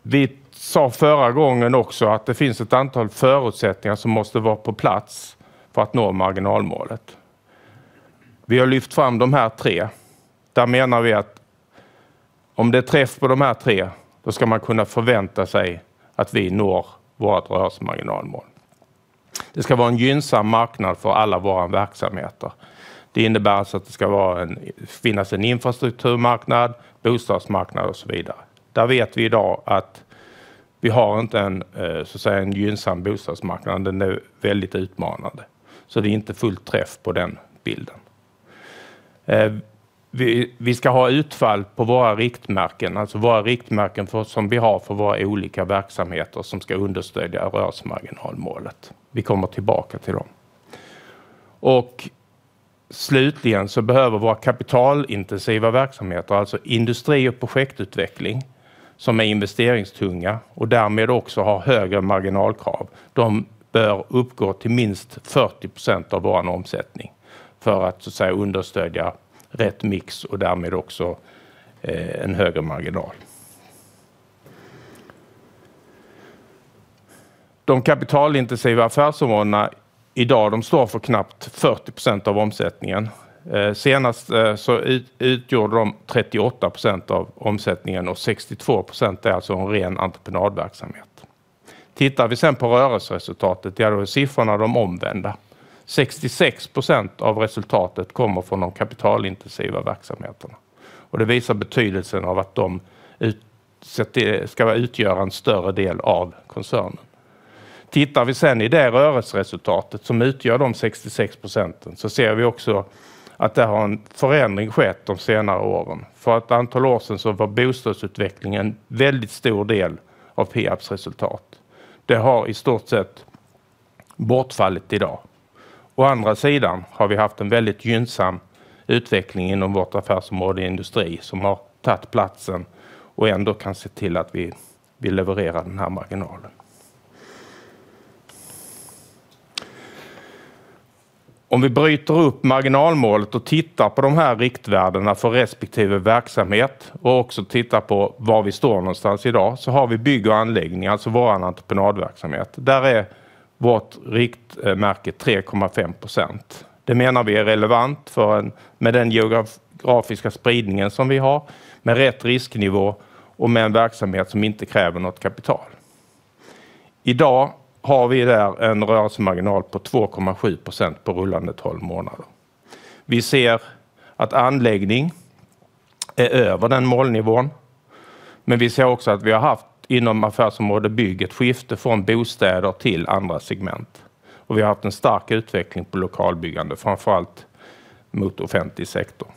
Vi sa förra gången också att det finns ett antal förutsättningar som måste vara på plats för att nå marginalmålet. Vi har lyft fram de här tre. Där menar vi att om det är träff på de här tre, då ska man kunna förvänta sig att vi når vårt rörelsemarginalmål. Det ska vara en gynnsam marknad för alla våra verksamheter. Det innebär alltså att det ska finnas en infrastrukturmarknad, bostadsmarknad och så vidare. Där vet vi idag att vi har inte en så att säga en gynnsam bostadsmarknad, den är väldigt utmanande. Så det är inte fullt träff på den bilden. Vi ska ha utfall på våra riktmärken, alltså våra riktmärken som vi har för våra olika verksamheter som ska understödja rörelsemarginalmålet. Vi kommer tillbaka till dem. Slutligen så behöver våra kapitalintensiva verksamheter, alltså industri och projektutveckling, som är investeringstunga och därmed också har högre marginalkrav. De bör uppgå till minst 40% av vår omsättning för att understödja rätt mix och därmed också en högre marginal. De kapitalintensiva affärsområdena idag står för knappt 40% av omsättningen. Senast så utgjorde de 38% av omsättningen och 62% är alltså en ren entreprenadverksamhet. Tittar vi sedan på rörelseresultatet, då är siffrorna de omvända. 66% av resultatet kommer från de kapitalintensiva verksamheterna. Det visar betydelsen av att de ska utgöra en större del av koncernen. Tittar vi sedan på det rörelseresultatet som utgör de 66%, så ser vi också att det har en förändring skett de senare åren. För ett antal år sedan så var bostadsutvecklingen en väldigt stor del av PEABs resultat. Det har i stort sett bortfallit idag. Å andra sidan har vi haft en väldigt gynnsam utveckling inom vårt affärsområde industri, som har tagit platsen och ändå kan se till att vi levererar den här marginalen. Om vi bryter upp marginalmålet och tittar på de här riktvärdena för respektive verksamhet, och också tittar på var vi står någonstans idag, så har vi bygg och anläggning, alltså vår entreprenadverksamhet. Där är vårt riktmärke 3,5%. Det menar vi är relevant med den geografiska spridningen som vi har, med rätt risknivå och med en verksamhet som inte kräver något kapital. Idag har vi där en rörelsemarginal på 2,7% på rullande tolv månader. Vi ser att anläggning är över den målnivån, men vi ser också att vi har haft inom affärsområde bygg ett skifte från bostäder till andra segment. Vi har haft en stark utveckling på lokalbyggande, framför allt mot offentlig sektor.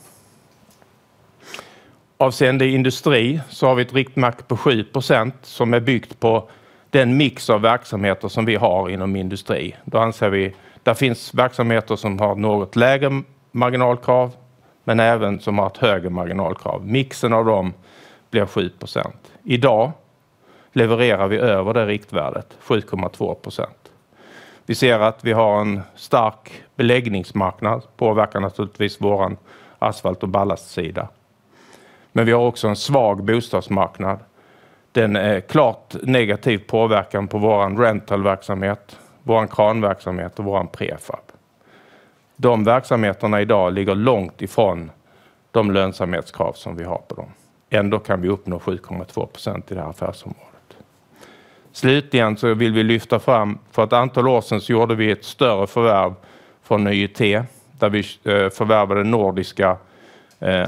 Avseende industri så har vi ett riktmärke på 7% som är byggt på den mix av verksamheter som vi har inom industri. Då anser vi att där finns verksamheter som har något lägre marginalkrav, men även som har ett högre marginalkrav. Mixen av dem blir 7%. Idag levererar vi över det riktvärdet, 7,2%. Vi ser att vi har en stark beläggningsmarknad, påverkar naturligtvis vår asfalt- och ballastsida. Men vi har också en svag bostadsmarknad. Den är klart negativ påverkan på vår rentalverksamhet, vår kranverksamhet och vår prefab. De verksamheterna idag ligger långt ifrån de lönsamhetskrav som vi har på dem. Ändå kan vi uppnå 7,2% i det här affärsområdet. Slutligen så vill vi lyfta fram, för ett antal år sedan så gjorde vi ett större förvärv från NJT, där vi förvärvade nordiska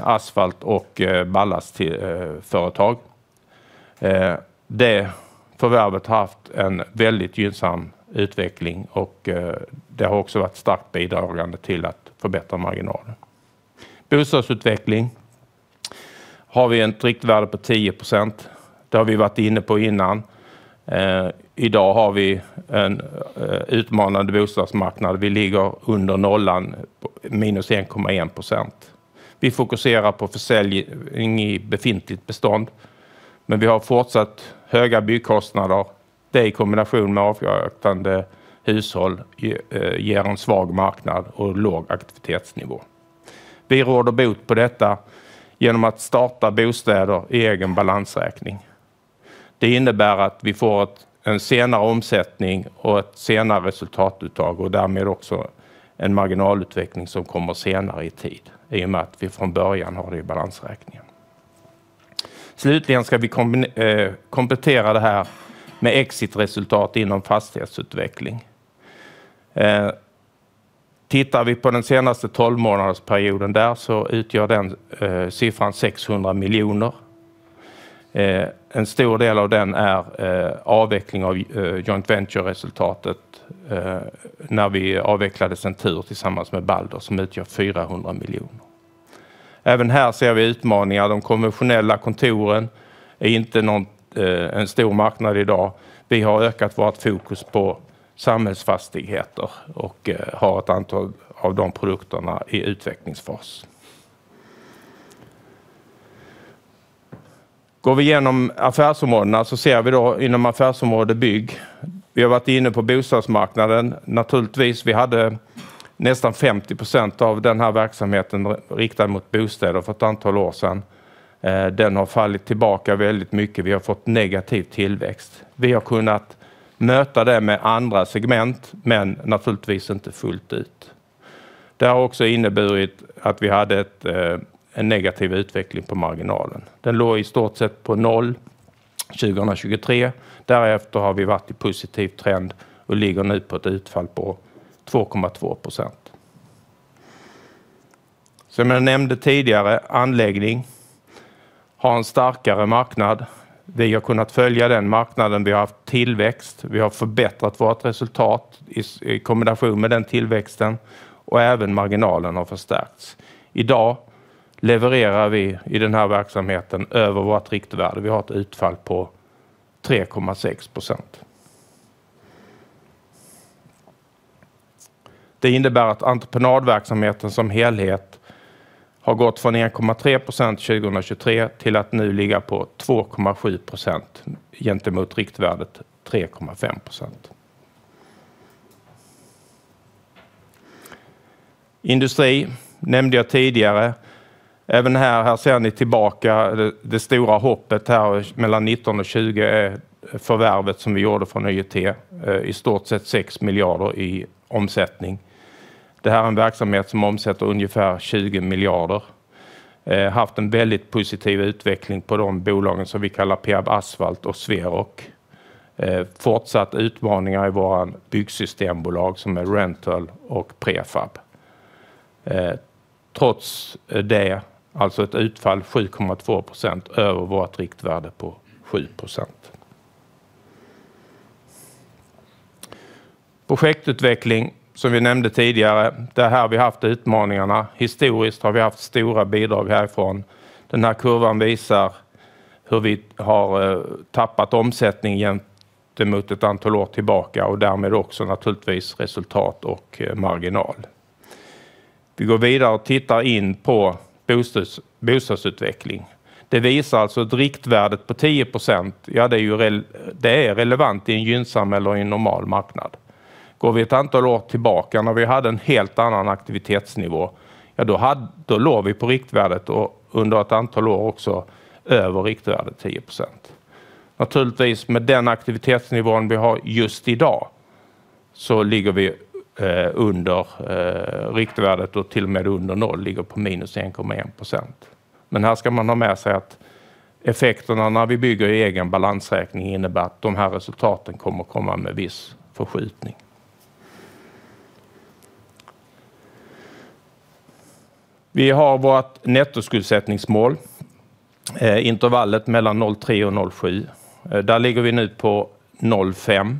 asfalt- och ballastföretag. Det förvärvet har haft en väldigt gynnsam utveckling och det har också varit starkt bidragande till att förbättra marginalen. Bostadsutveckling har vi ett riktvärde på 10%. Det har vi varit inne på innan. Idag har vi en utmanande bostadsmarknad. Vi ligger under nollan, minus 1,1%. Vi fokuserar på försäljning i befintligt bestånd, men vi har fortsatt höga byggkostnader. Det i kombination med avkastande hushåll ger en svag marknad och låg aktivitetsnivå. Vi råder bot på detta genom att starta bostäder i egen balansräkning. Det innebär att vi får en senare omsättning och ett senare resultatuttag och därmed också en marginalutveckling som kommer senare i tid, i och med att vi från början har det i balansräkningen. Slutligen ska vi komplettera det här med exitresultat inom fastighetsutveckling. Tittar vi på den senaste tolvmånadersperioden där så utgör den siffran 600 miljoner. En stor del av den är avveckling av joint venture-resultatet när vi avvecklade Centur tillsammans med Balder, som utgör 400 miljoner. Även här ser vi utmaningar. De konventionella kontoren är inte någon stor marknad idag. Vi har ökat vårt fokus på samhällsfastigheter och har ett antal av de produkterna i utvecklingsfas. Går vi igenom affärsområdena så ser vi då inom affärsområde bygg. Vi har varit inne på bostadsmarknaden, naturligtvis. Vi hade nästan 50% av den här verksamheten riktad mot bostäder för ett antal år sedan. Den har fallit tillbaka väldigt mycket. Vi har fått negativ tillväxt. Vi har kunnat möta det med andra segment, men naturligtvis inte fullt ut. Det har också inneburit att vi hade en negativ utveckling på marginalen. Den låg i stort sett på noll 2023. Därefter har vi varit i positiv trend och ligger nu på ett utfall på 2,2%. Som jag nämnde tidigare, anläggning har en starkare marknad. Vi har kunnat följa den marknaden. Vi har haft tillväxt. Vi har förbättrat vårt resultat i kombination med den tillväxten och även marginalen har förstärkts. Idag levererar vi i den här verksamheten över vårt riktvärde. Vi har ett utfall på 3,6%. Det innebär att entreprenadverksamheten som helhet har gått från 1,3% 2023 till att nu ligga på 2,7% gentemot riktvärdet 3,5%. Industri nämnde jag tidigare. Även här ser ni tillbaka det stora hoppet här mellan 2019 och 2020 är förvärvet som vi gjorde från NJT. I stort sett 6 miljarder i omsättning. Det här är en verksamhet som omsätter ungefär 20 miljarder. Haft en väldigt positiv utveckling på de bolagen som vi kallar PEAB Asfalt och Swerok. Fortsatt utmaningar i vår byggsystembolag som är rental och prefab. Trots det, alltså ett utfall 7,2% över vårt riktvärde på 7%. Projektutveckling som vi nämnde tidigare. Det är här vi haft utmaningarna. Historiskt har vi haft stora bidrag härifrån. Den här kurvan visar hur vi har tappat omsättning gentemot ett antal år tillbaka och därmed också naturligtvis resultat och marginal. Vi går vidare och tittar in på bostadsutveckling. Det visar alltså att riktvärdet på 10%, ja, det är ju relevant i en gynnsam eller i en normal marknad. Går vi ett antal år tillbaka när vi hade en helt annan aktivitetsnivå, ja, då låg vi på riktvärdet och under ett antal år också över riktvärdet 10%. Naturligtvis med den aktivitetsnivån vi har just idag så ligger vi under riktvärdet och till och med under noll ligger på minus 1,1%. Men här ska man ha med sig att effekterna när vi bygger i egen balansräkning innebär att de här resultaten kommer att komma med viss förskjutning. Vi har vårt nettoskuldsättningsmål, intervallet mellan 0,3 och 0,7. Där ligger vi nu på 0,5.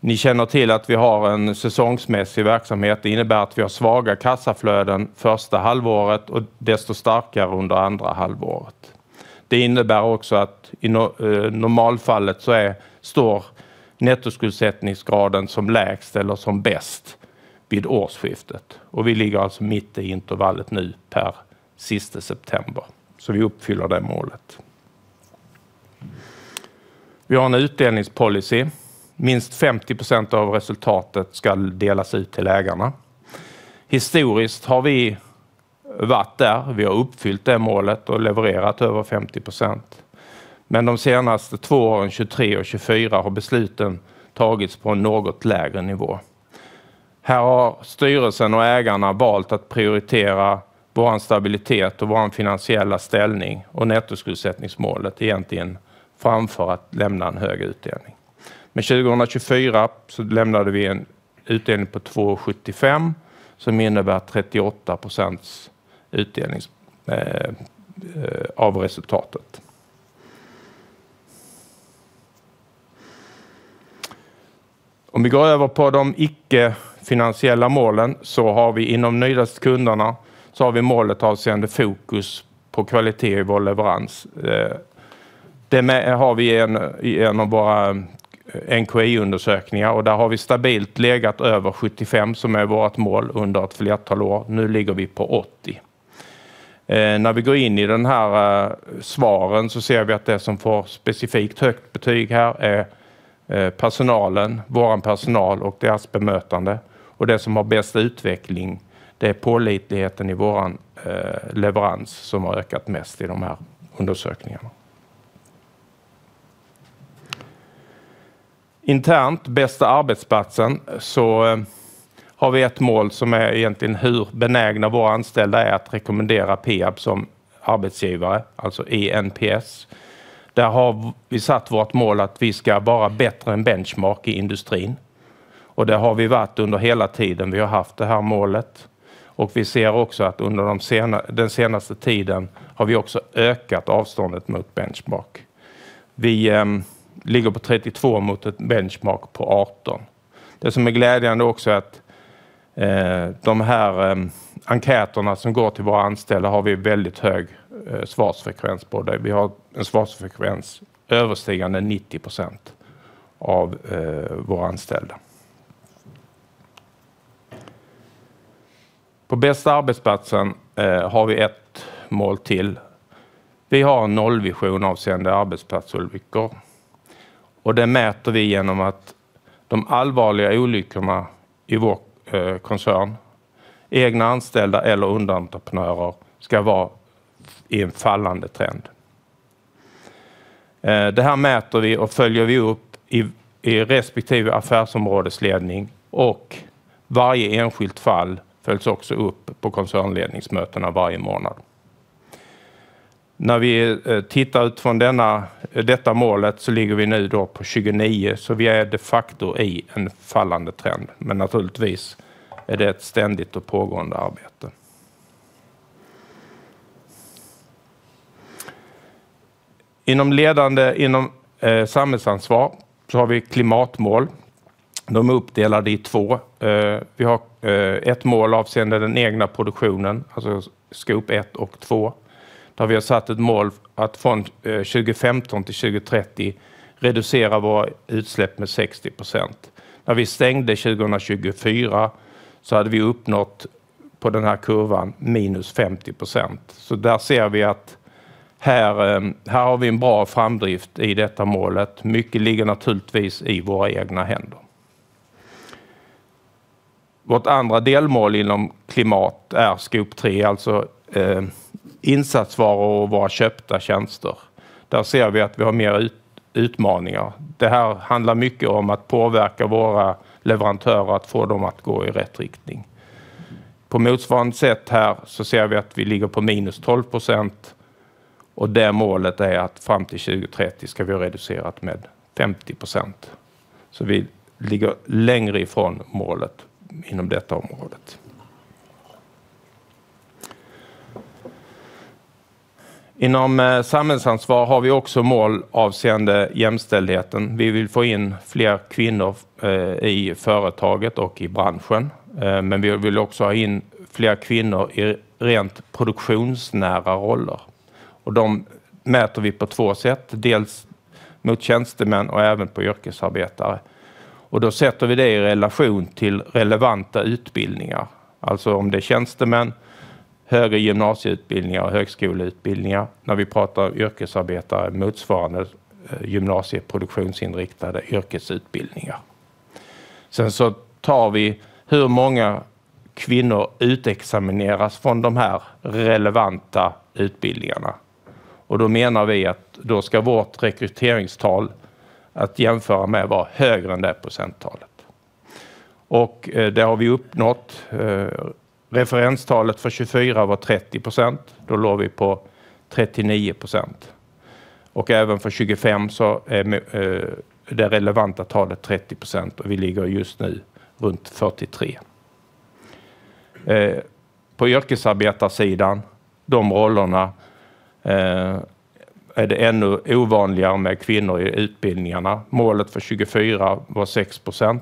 Ni känner till att vi har en säsongsmässig verksamhet. Det innebär att vi har svaga kassaflöden första halvåret och desto starkare under andra halvåret. Det innebär också att i normalfallet så står nettoskuldsättningsgraden som lägst eller som bäst vid årsskiftet. Vi ligger alltså mitt i intervallet nu per sista september. Så vi uppfyller det målet. Vi har en utdelningspolicy. Minst 50% av resultatet ska delas ut till ägarna. Historiskt har vi varit där. Vi har uppfyllt det målet och levererat över 50%. Men de senaste två åren, 2023 och 2024, har besluten tagits på en något lägre nivå. Här har styrelsen och ägarna valt att prioritera vår stabilitet och vår finansiella ställning och nettoskuldsättningsmålet framför att lämna en hög utdelning. Men 2024 så lämnade vi en utdelning på 2,75 som innebär 38% utdelning av resultatet. Om vi går över på de icke-finansiella målen så har vi inom nyligaste kunderna så har vi målet avseende fokus på kvalitet i vår leverans. Det har vi i en av våra NKI-undersökningar och där har vi stabilt legat över 75 som är vårt mål under ett flertal år. Nu ligger vi på 80. När vi går in i de här svaren så ser vi att det som får specifikt högt betyg här är personalen, vår personal och deras bemötande. Det som har bäst utveckling, det är pålitligheten i vår leverans som har ökat mest i de här undersökningarna. Internt, bästa arbetsplatsen, så har vi ett mål som är egentligen hur benägna våra anställda är att rekommendera PEAB som arbetsgivare, alltså ENPS. Där har vi satt vårt mål att vi ska vara bättre än benchmark i industrin. Det har vi varit under hela tiden vi har haft det här målet. Vi ser också att under den senaste tiden har vi också ökat avståndet mot benchmark. Vi ligger på 32 mot ett benchmark på 18. Det som är glädjande också är att de här enkäterna som går till våra anställda har vi väldigt hög svarsfrekvens på det. Vi har en svarsfrekvens överstigande 90% av våra anställda. På bästa arbetsplatsen har vi ett mål till. Vi har en nollvision avseende arbetsplatsolyckor. Det mäter vi genom att de allvarliga olyckorna i vår koncern, egna anställda eller underentreprenörer, ska vara i en fallande trend. Det här mäter vi och följer vi upp i respektive affärsområdesledning. Varje enskilt fall följs också upp på koncernledningsmötena varje månad. När vi tittar utifrån detta målet så ligger vi nu då på 29. Vi är de facto i en fallande trend. Men naturligtvis är det ett ständigt och pågående arbete. Inom ledande, inom samhällsansvar så har vi klimatmål. De är uppdelade i två. Vi har ett mål avseende den egna produktionen, alltså Scope 1 och 2. Där har vi satt ett mål att från 2015 till 2030 reducera våra utsläpp med 60%. När vi stängde 2024 så hade vi uppnått på den här kurvan minus 50%. Så där ser vi att här har vi en bra framdrift i detta målet. Mycket ligger naturligtvis i våra egna händer. Vårt andra delmål inom klimat är Scope 3, alltså insatsvaror och våra köpta tjänster. Där ser vi att vi har mer utmaningar. Det här handlar mycket om att påverka våra leverantörer att få dem att gå i rätt riktning. På motsvarande sätt här så ser vi att vi ligger på minus 12%. Och det målet är att fram till 2030 ska vi ha reducerat med 50%. Så vi ligger längre ifrån målet inom detta området. Inom samhällsansvar har vi också mål avseende jämställdheten. Vi vill få in fler kvinnor i företaget och i branschen. Men vi vill också ha in fler kvinnor i rent produktionsnära roller. Och de mäter vi på två sätt. Dels mot tjänstemän och även på yrkesarbetare. Och då sätter vi det i relation till relevanta utbildningar. Alltså om det är tjänstemän, högre gymnasieutbildningar och högskoleutbildningar. När vi pratar yrkesarbetare, motsvarande gymnasieproduktionsinriktade yrkesutbildningar. Sen så tar vi hur många kvinnor utexamineras från de här relevanta utbildningarna. Och då menar vi att då ska vårt rekryteringstal att jämföra med vara högre än det procenttalet. Och det har vi uppnått. Referenstalet för 2024 var 30%. Då låg vi på 39%. Och även för 2025 så är det relevanta talet 30%. Och vi ligger just nu runt 43%. På yrkesarbetarsidan, de rollerna, är det ännu ovanligare med kvinnor i utbildningarna. Målet för 2024 var 6%.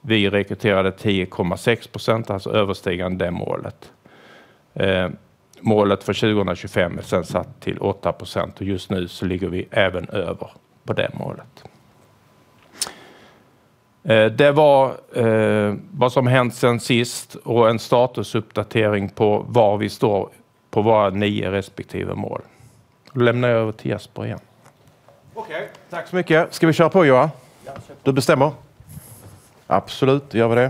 Vi rekryterade 10,6%, alltså överstigande det målet. Målet för 2025 är sen satt till 8%. Och just nu så ligger vi även över på det målet. Det var vad som hänt sen sist. Och en statusuppdatering på var vi står på våra nio respektive mål. Då lämnar jag över till Jesper igen. Okej, tack så mycket. Ska vi köra på, Johan? Ja, kör på. Du bestämmer. Absolut, gör vi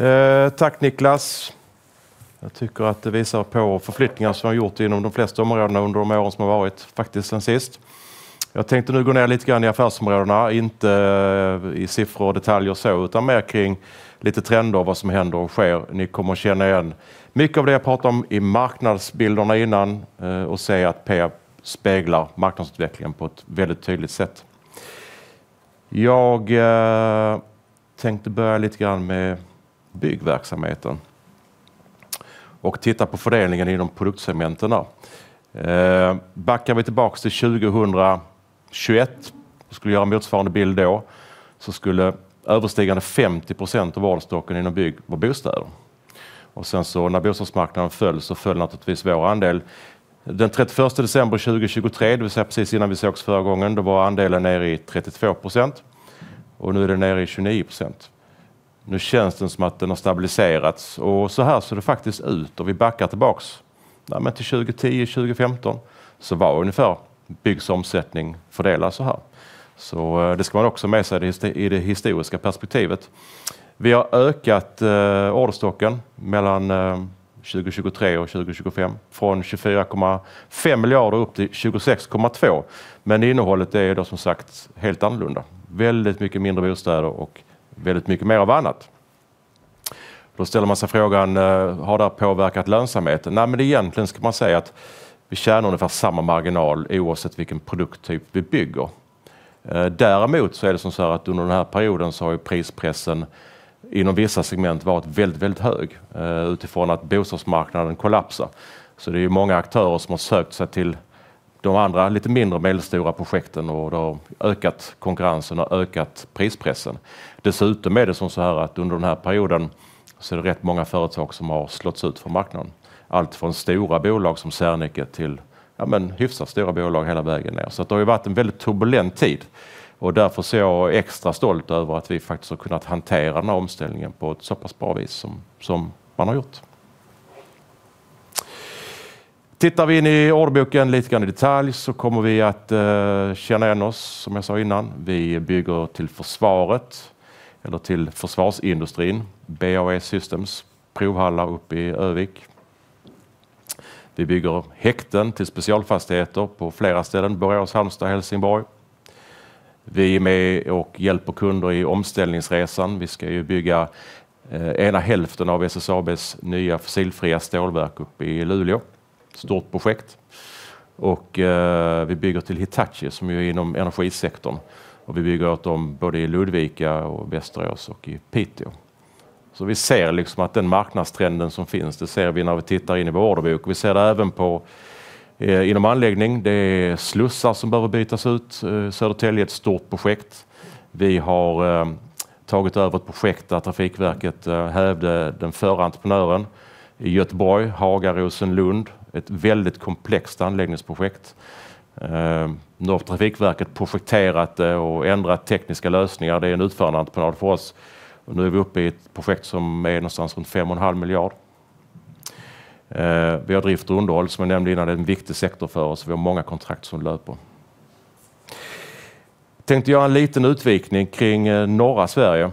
det. Tack, Niklas. Jag tycker att det visar på förflyttningar som har gjorts inom de flesta områdena under de åren som har varit, faktiskt sen sist. Jag tänkte nu gå ner lite grann i affärsområdena. Inte i siffror och detaljer och så, utan mer kring lite trender och vad som händer och sker. Ni kommer att känna igen mycket av det jag pratade om i marknadsbilderna innan. Och se att PEAB speglar marknadsutvecklingen på ett väldigt tydligt sätt. Jag tänkte börja lite grann med byggverksamheten. Och titta på fördelningen inom produktsegmenten då. Backar vi tillbaka till 2021, skulle göra en motsvarande bild då, så skulle överstiga 50% av vårdstocken inom bygg vara bostäder. Sen när bostadsmarknaden föll så föll naturligtvis vår andel. Den 31 december 2023, det vill säga precis innan vi sågs förra gången, då var andelen nere i 32%. Nu är den nere i 29%. Nu känns det som att den har stabiliserats. Så här ser det faktiskt ut. Backar vi tillbaka till 2010-2015 så var ungefär byggsomsättning fördelad så här. Det ska man också ha med sig i det historiska perspektivet. Vi har ökat orderstocken mellan 2023 och 2025 från 24,5 miljarder upp till 26,2. Men innehållet är då som sagt helt annorlunda. Väldigt mycket mindre bostäder och väldigt mycket mer av annat. Då ställer man sig frågan: Har det här påverkat lönsamheten? Nej, men egentligen ska man säga att vi tjänar ungefär samma marginal oavsett vilken produkttyp vi bygger. Däremot så är det som så här att under den här perioden så har ju prispressen inom vissa segment varit väldigt, väldigt hög utifrån att bostadsmarknaden kollapsar. Så det är ju många aktörer som har sökt sig till de andra lite mindre medelstora projekten och då ökat konkurrensen och ökat prispressen. Dessutom är det som så här att under den här perioden så är det rätt många företag som har slåtts ut från marknaden. Allt från stora bolag som Cerniqet till hyfsat stora bolag hela vägen ner. Så det har ju varit en väldigt turbulent tid. Därför så är jag extra stolt över att vi faktiskt har kunnat hantera den här omställningen på ett så pass bra vis som man har gjort. Tittar vi in i orderboken lite grann i detalj så kommer vi att känna igen oss, som jag sa innan. Vi bygger till försvaret, eller till försvarsindustrin, BAE Systems, Prohalla uppe i Övik. Vi bygger häkten till specialfastigheter på flera ställen, Börjås, Halmstad, Helsingborg. Vi är med och hjälper kunder i omställningsresan. Vi ska ju bygga ena hälften av SSABs nya fossilfria stålverk uppe i Luleå. Stort projekt. Vi bygger till Hitachi som är inom energisektorn. Vi bygger åt dem både i Ludvika och Västerås och i Piteå. Vi ser liksom att den marknadstrenden som finns, det ser vi när vi tittar in i vår orderbok. Vi ser det även inom anläggning. Det är slussar som behöver bytas ut. Södertälje, ett stort projekt. Vi har tagit över ett projekt där Trafikverket hävde den förra entreprenören i Göteborg, Hagarosen, Lund. Ett väldigt komplext anläggningsprojekt. Nu har Trafikverket projekterat det och ändrat tekniska lösningar. Det är en utförandeentreprenad för oss. Nu är vi uppe i ett projekt som är någonstans runt 5,5 miljarder. Vi har drift och underhåll, som jag nämnde innan. Det är en viktig sektor för oss. Vi har många kontrakt som löper. Jag tänkte göra en liten utvikning kring norra Sverige.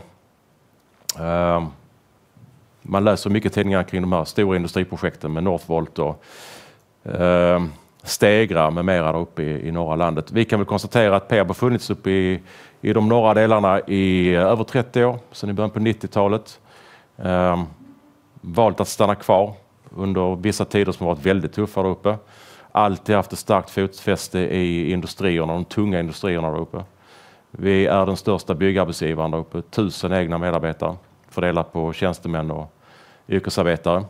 Man läser mycket tidningar kring de här stora industriprojekten med Northvolt och Stegra med mera där uppe i norra landet. Vi kan väl konstatera att PEAB har funnits uppe i de norra delarna i över 30 år, sedan i början på 90-talet. Valde att stanna kvar under vissa tider som har varit väldigt tuffa där uppe. Alltid haft ett starkt fotfäste i industrierna, de tunga industrierna där uppe. Vi är den största byggarbetsgivaren där uppe. 1 000 egna medarbetare, fördelat på tjänstemän och yrkesarbetare.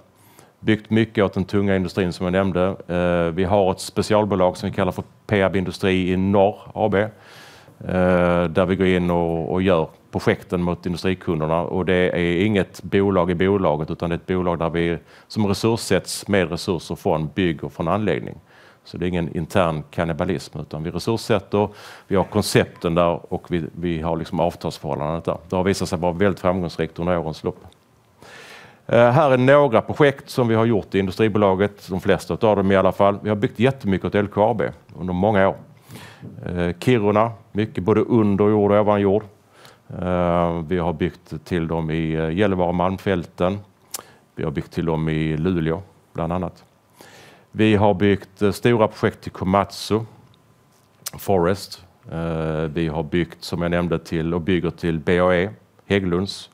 Byggt mycket åt den tunga industrin som jag nämnde. Vi har ett specialbolag som vi kallar för PEAB Industri i Norr AB, där vi går in och gör projekten mot industrikunderna. Det är inget bolag i bolaget, utan det är ett bolag där vi resurssätts med resurser från bygg och från anläggning. Det är ingen intern kannibalism, utan vi resurssätter. Vi har koncepten där och vi har avtalsförhållandet där. Det har visat sig vara väldigt framgångsrikt under årens lopp. Här är några projekt som vi har gjort i industribolaget, de flesta av dem i alla fall. Vi har byggt jättemycket åt LKAB under många år. Kiruna, mycket både under jord och ovan jord. Vi har byggt till dem i Gällivare och Malmfälten. Vi har byggt till dem i Luleå, bland annat. Vi har byggt stora projekt till Komatsu och Forest. Vi har byggt, som jag nämnde, till och bygger till BAE Hägglunds.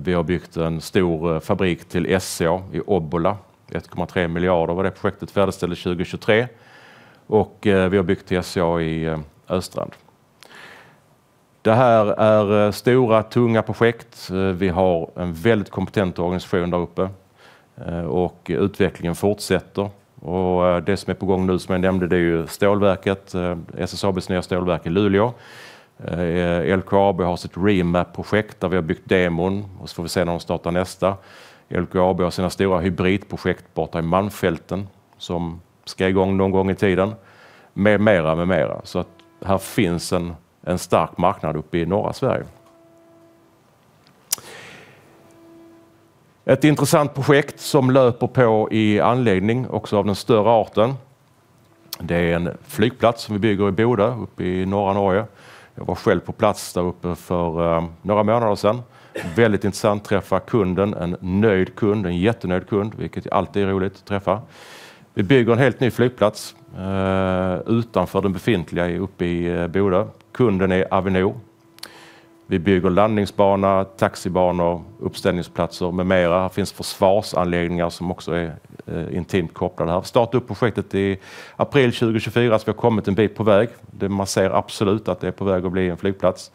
Vi har byggt en stor fabrik till SCA i Obbola. 1,3 miljarder var det projektet färdigställdes 2023. Vi har byggt till SCA i Östrand. Det här är stora, tunga projekt. Vi har en väldigt kompetent organisation där uppe. Utvecklingen fortsätter. Det som är på gång nu, som jag nämnde, det är ju stålverket. SSABs nya stålverk i Luleå. LKAB har sitt REMAP-projekt där vi har byggt demon. Vi får se när de startar nästa. LKAB har sina stora hybridprojekt borta i Malmfälten. Som ska igång någon gång i tiden. Med mera, med mera. Här finns en stark marknad uppe i norra Sverige. Ett intressant projekt som löper på i anläggning, också av den större arten. Det är en flygplats som vi bygger i Bodø, uppe i norra Norge. Jag var själv på plats där uppe för några månader sedan. Väldigt intressant att träffa kunden. En nöjd kund, en jättenöjd kund. Vilket alltid är roligt att träffa. Vi bygger en helt ny flygplats, utanför den befintliga uppe i Bodø. Kunden är Avinor. Vi bygger landningsbana, taxibanor, uppställningsplatser, med mera. Här finns försvarsanläggningar som också är intimt kopplade här. Vi startade upp projektet i april 2024, så vi har kommit en bit på väg. Det man ser absolut är att det är på väg att bli en flygplats.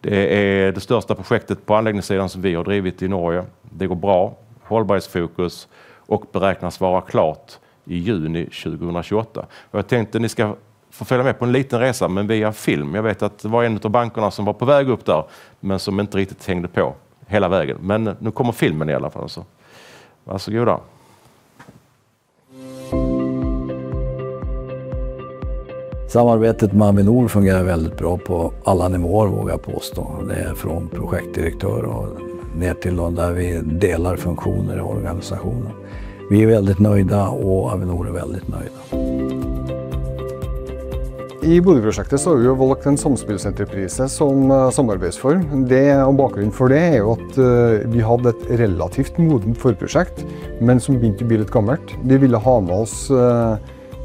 Det är det största projektet på anläggningssidan som vi har drivit i Norge. Det går bra. Hållbarhetsfokus och beräknas vara klart i juni 2028. Jag tänkte att ni ska få följa med på en liten resa, men via film. Jag vet att det var en av bankerna som var på väg upp där, men som inte riktigt hängde på hela vägen. Men nu kommer filmen i alla fall. Varsågoda. Samarbetet med Avinor fungerar väldigt bra på alla nivåer, vågar jag påstå. Det är från projektdirektör och ner till de där vi delar funktioner i organisationen. Vi är väldigt nöjda och Avinor är väldigt nöjda. I budprojektet så har vi valt en samspelsentreprise som samarbetsform. Bakgrunden för det är ju att vi hade ett relativt modent förprojekt men som begynte att bli lite gammalt. Vi ville ha med oss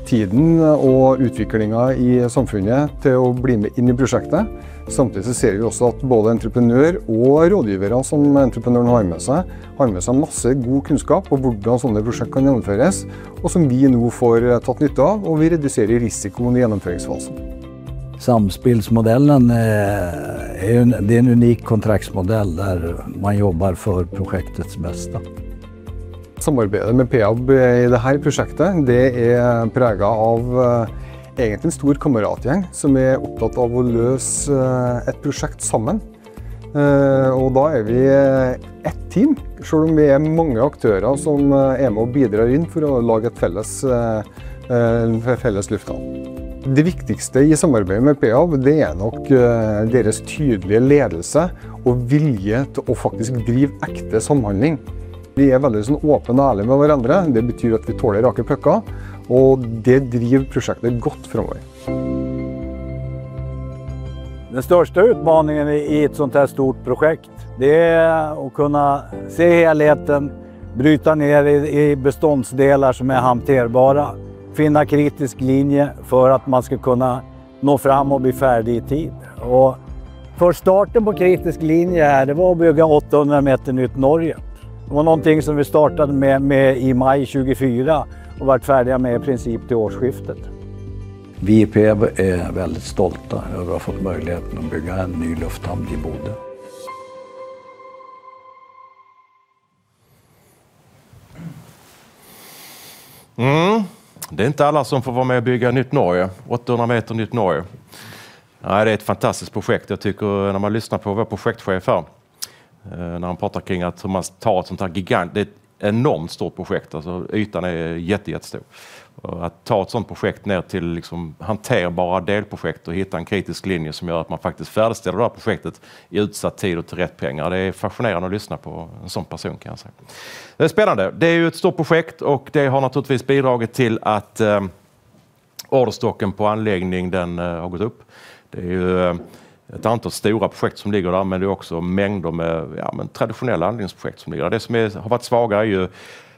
tiden och utvecklingen i samfunnet till att bli med in i projektet. Samtidigt så ser vi också att både entreprenör och rådgivare som entreprenören har med sig, har med sig en massa god kunskap om hur sådana här projekt kan genomföras, och som vi nu får ta nytta av och vi reducerar risken i genomföringsfasen. Samspelsmodellen, det är en unik kontraktsmodell där man jobbar för projektets bästa. Samarbetet med PEAB i det här projektet, det är präglat av egentligen en stor kamratgäng som är upptagen av att lösa ett projekt tillsammans. Då är vi ett team, även om vi är många aktörer som är med och bidrar in för att göra ett gemensamt lyft. Det viktigaste i samarbetet med PEAB, det är nog deras tydliga ledelse och vilja till att faktiskt driva äkta samhandling. Vi är väldigt så här öppna och ärliga med varandra. Det betyder att vi tål raka besked. Det driver projektet bra framåt. Den största utmaningen i ett sådant här stort projekt, det är att kunna se helheten, bryta ner i beståndsdelar som är hanterbara, finna kritisk väg för att man ska kunna nå fram och bli färdig i tid. Förstarten på kritisk väg här, det var att bygga 800 meter ny Norge. Det var någonting som vi startade med i maj 2024 och varit färdiga med i princip till årsskiftet. Vi i PEAB är väldigt stolta över att ha fått möjligheten att bygga en ny lufthamn i Bodø. Det är inte alla som får vara med och bygga nytt Norge. 800 meter nytt Norge. Nej, det är ett fantastiskt projekt, jag tycker, när man lyssnar på vår projektchef här, när han pratar kring att hur man tar ett sådant här gigantiskt, det är ett enormt stort projekt, alltså ytan är jätte, jättestor. Att ta ett sådant projekt ner till liksom hanterbara delprojekt och hitta en kritisk linje som gör att man faktiskt färdigställer det här projektet i utsatt tid och till rätt pengar, det är fascinerande att lyssna på en sådan person, kan jag säga. Det är spännande, det är ju ett stort projekt och det har naturligtvis bidragit till att orderstocken på anläggningen, den har gått upp. Det är ju ett antal stora projekt som ligger där, men det är också mängder med traditionella anläggningsprojekt som ligger där. Det som har varit svagare är ju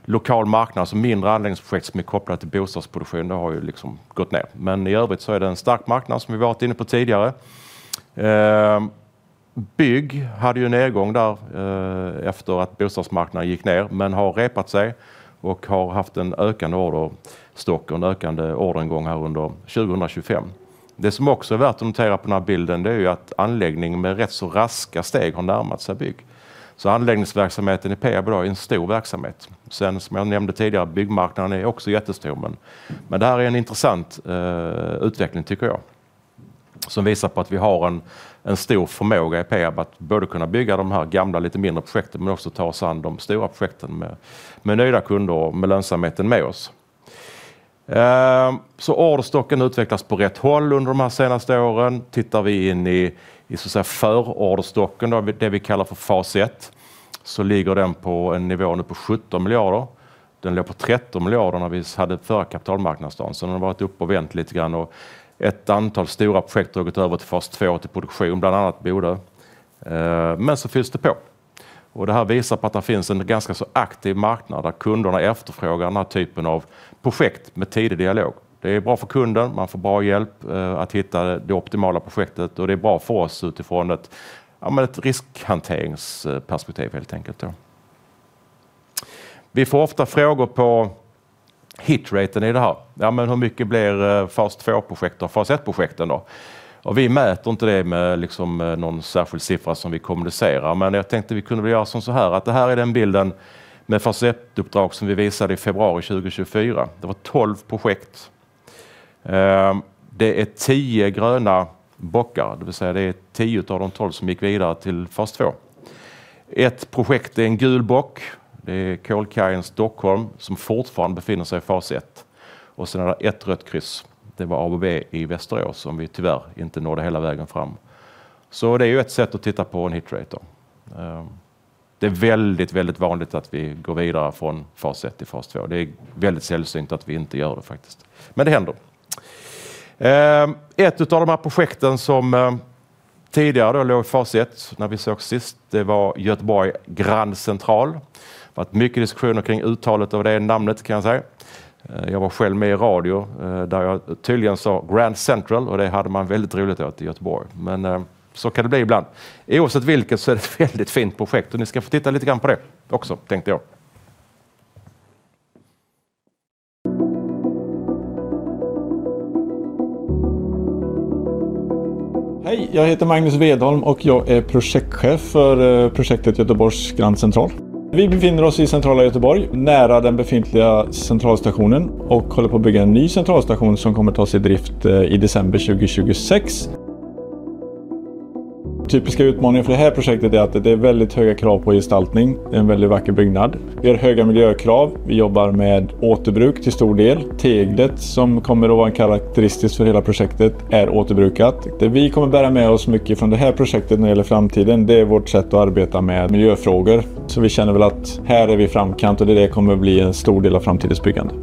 lokal marknad som mindre anläggningsprojekt som är kopplat till bostadsproduktion, det har ju liksom gått ner. Men i övrigt så är det en stark marknad som vi varit inne på tidigare. Bygg hade ju en nedgång där efter att bostadsmarknaden gick ner, men har repat sig och har haft en ökande orderstock och en ökande orderingång här under 2025. Det som också är värt att notera på den här bilden, det är ju att anläggning med rätt så raska steg har närmat sig bygg. Så anläggningsverksamheten i PEAB är en stor verksamhet. Sen som jag nämnde tidigare, byggmarknaden är också jättestor, men det här är en intressant utveckling, tycker jag, som visar på att vi har en stor förmåga i PEAB att både kunna bygga de här gamla, lite mindre projekten, men också ta oss an de stora projekten med nya kunder och med lönsamheten med oss. Orderstocken utvecklas på rätt håll under de här senaste åren. Tittar vi in i förorderstocken, det vi kallar för fas 1, så ligger den på en nivå nu på 17 miljarder. Den låg på 13 miljarder när vi hade förra kapitalmarknadsdagen, så den har varit upp och vänt lite grann. Ett antal stora projekt har gått över till fas 2 och till produktion, bland annat Bode. Men så fylls det på. Och det här visar på att det finns en ganska så aktiv marknad där kunderna efterfrågar den här typen av projekt med tidig dialog. Det är bra för kunden, man får bra hjälp att hitta det optimala projektet, och det är bra för oss utifrån ett riskhanteringsperspektiv, helt enkelt då. Vi får ofta frågor på hitraten i det här. Men hur mycket blir fas 2-projekt och fas 1-projekten då? Och vi mäter inte det med någon särskild siffra som vi kommunicerar, men jag tänkte att vi kunde göra som så här, att det här är den bilden med fas 1-uppdrag som vi visade i februari 2024. Det var 12 projekt. Det är 10 gröna bockar, det vill säga det är 10 av de 12 som gick vidare till fas 2. Ett projekt är en gul bock, det är Cole Kines Stockholm som fortfarande befinner sig i fas 1. Sen är det ett rött kryss, det var ABB i Västerås som vi tyvärr inte nådde hela vägen fram. Det är ju ett sätt att titta på en hitrate. Det är väldigt, väldigt vanligt att vi går vidare från fas 1 till fas 2. Det är väldigt sällsynt att vi inte gör det, faktiskt. Men det händer. Ett av de här projekten som tidigare då låg i fas 1 när vi sågs sist, det var Göteborg Grand Central. Det var mycket diskussioner kring uttalet av det namnet, kan jag säga. Jag var själv med i radio där jag tydligen sa Grand Central, och det hade man väldigt roligt åt i Göteborg. Men så kan det bli ibland. Oavsett vilket så är det ett väldigt fint projekt, och ni ska få titta lite grann på det också, tänkte jag. Hej, jag heter Magnus Vedholm och jag är projektchef för projektet Göteborgs Grand Central. Vi befinner oss i centrala Göteborg, nära den befintliga centralstationen, och håller på att bygga en ny centralstation som kommer att tas i drift i december 2026. Typiska utmaningar för det här projektet är att det är väldigt höga krav på gestaltning. Det är en väldigt vacker byggnad. Vi har höga miljökrav. Vi jobbar med återbruk till stor del. Teglet som kommer att vara karakteristiskt för hela projektet är återbrukat. Det vi kommer att bära med oss mycket från det här projektet när det gäller framtiden, det är vårt sätt att arbeta med miljöfrågor. Så vi känner väl att här är vi i framkant, och det är det som kommer att bli en stor del av framtidens byggande.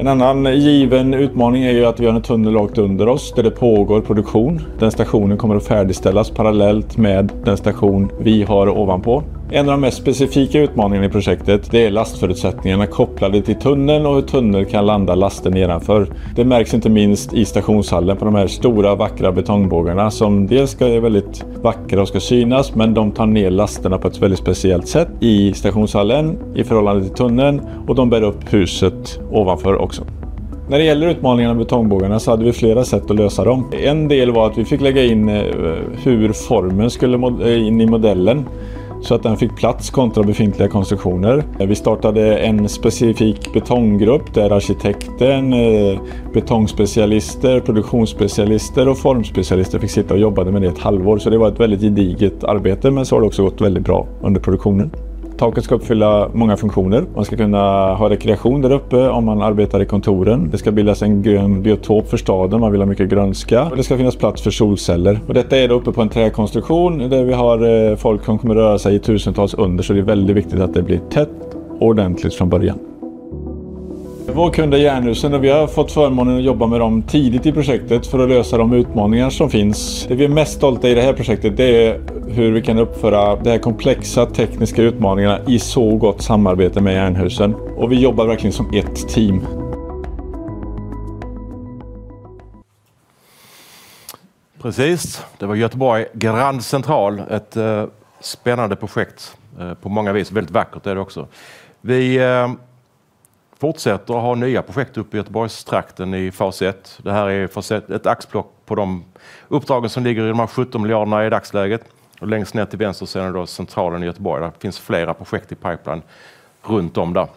En annan given utmaning är ju att vi har en tunnel rakt under oss där det pågår produktion. Den stationen kommer att färdigställas parallellt med den station vi har ovanpå. En av de mest specifika utmaningarna i projektet, det är lastförutsättningarna kopplade till tunneln och hur tunneln kan landa lasten nedanför. Det märks inte minst i stationshallen på de här stora, vackra betongbågarna som dels ska vara väldigt vackra och ska synas, men de tar ner lasterna på ett väldigt speciellt sätt i stationshallen i förhållande till tunneln, och de bär upp huset ovanför också. När det gäller utmaningarna med betongbågarna så hade vi flera sätt att lösa dem. En del var att vi fick lägga in hur formen skulle in i modellen så att den fick plats kontra befintliga konstruktioner. Vi startade en specifik betonggrupp där arkitekten, betongspecialister, produktionsspecialister och formspecialister fick sitta och jobba med det i ett halvår. Så det var ett väldigt gediget arbete, men så har det också gått väldigt bra under produktionen. Taket ska uppfylla många funktioner. Man ska kunna ha rekreation där uppe om man arbetar i kontoren. Det ska bildas en grön biotop för staden, man vill ha mycket grönska. Det ska finnas plats för solceller. Detta är då uppe på en träkonstruktion där vi har folk som kommer röra sig i tusentals under, så det är väldigt viktigt att det blir tätt och ordentligt från början. Vår kund är Järnhusen, och vi har fått förmånen att jobba med dem tidigt i projektet för att lösa de utmaningar som finns. Det vi är mest stolta över i det här projektet, det är hur vi kan uppföra de här komplexa tekniska utmaningarna i så gott samarbete med Jernhusen. Vi jobbar verkligen som ett team. Precis, det var Göteborg Grand Central. Ett spännande projekt på många vis. Väldigt vackert är det också. Vi fortsätter att ha nya projekt uppe i Göteborgstrakten, i fas 1. Det här är ett axplock på de uppdragen som ligger i de här 17 miljarderna i dagsläget. Längst ner till vänster ser ni då centralen i Göteborg. Det finns flera projekt i pipeline runt om där,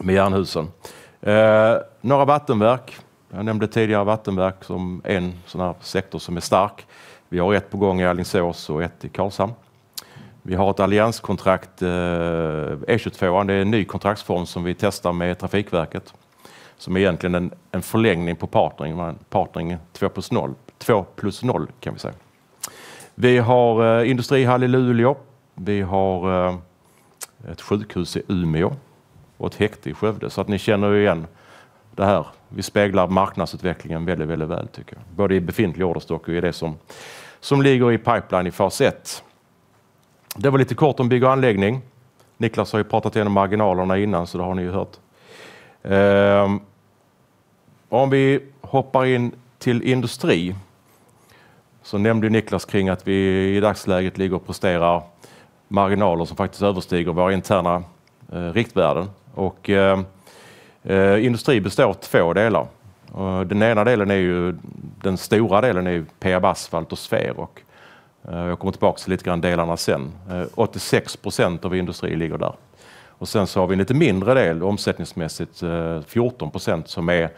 med Jernhusen. Några vattenverk. Jag nämnde tidigare vattenverk som en sådan här sektor som är stark. Vi har ett på gång i Alingsås och ett i Karlshamn. Vi har ett allianskontrakt, E22:an. Det är en ny kontraktsform som vi testar med Trafikverket. Som egentligen är en förlängning på partnering. Partnering 2 plus 0, 2 plus 0 kan vi säga. Vi har industrihall i Luleå. Vi har ett sjukhus i Umeå och ett häkte i Skövde. Så att ni känner ju igen det här. Vi speglar marknadsutvecklingen väldigt, väldigt väl, tycker jag. Både i befintlig orderstock och i det som ligger i pipeline i fas 1. Det var lite kort om bygg och anläggning. Niklas har ju pratat igenom marginalerna innan, så det har ni ju hört. Om vi hoppar in till industri, så nämnde ju Niklas kring att vi i dagsläget ligger och presterar marginaler som faktiskt överstiger våra interna riktvärden. Industri består av två delar. Den ena delen är ju, den stora delen är ju PEAB Asphalt och Sfeer. Jag kommer tillbaka till lite grann delarna sen. 86% av industri ligger där. Och sen så har vi en lite mindre del, omsättningsmässigt, 14% som är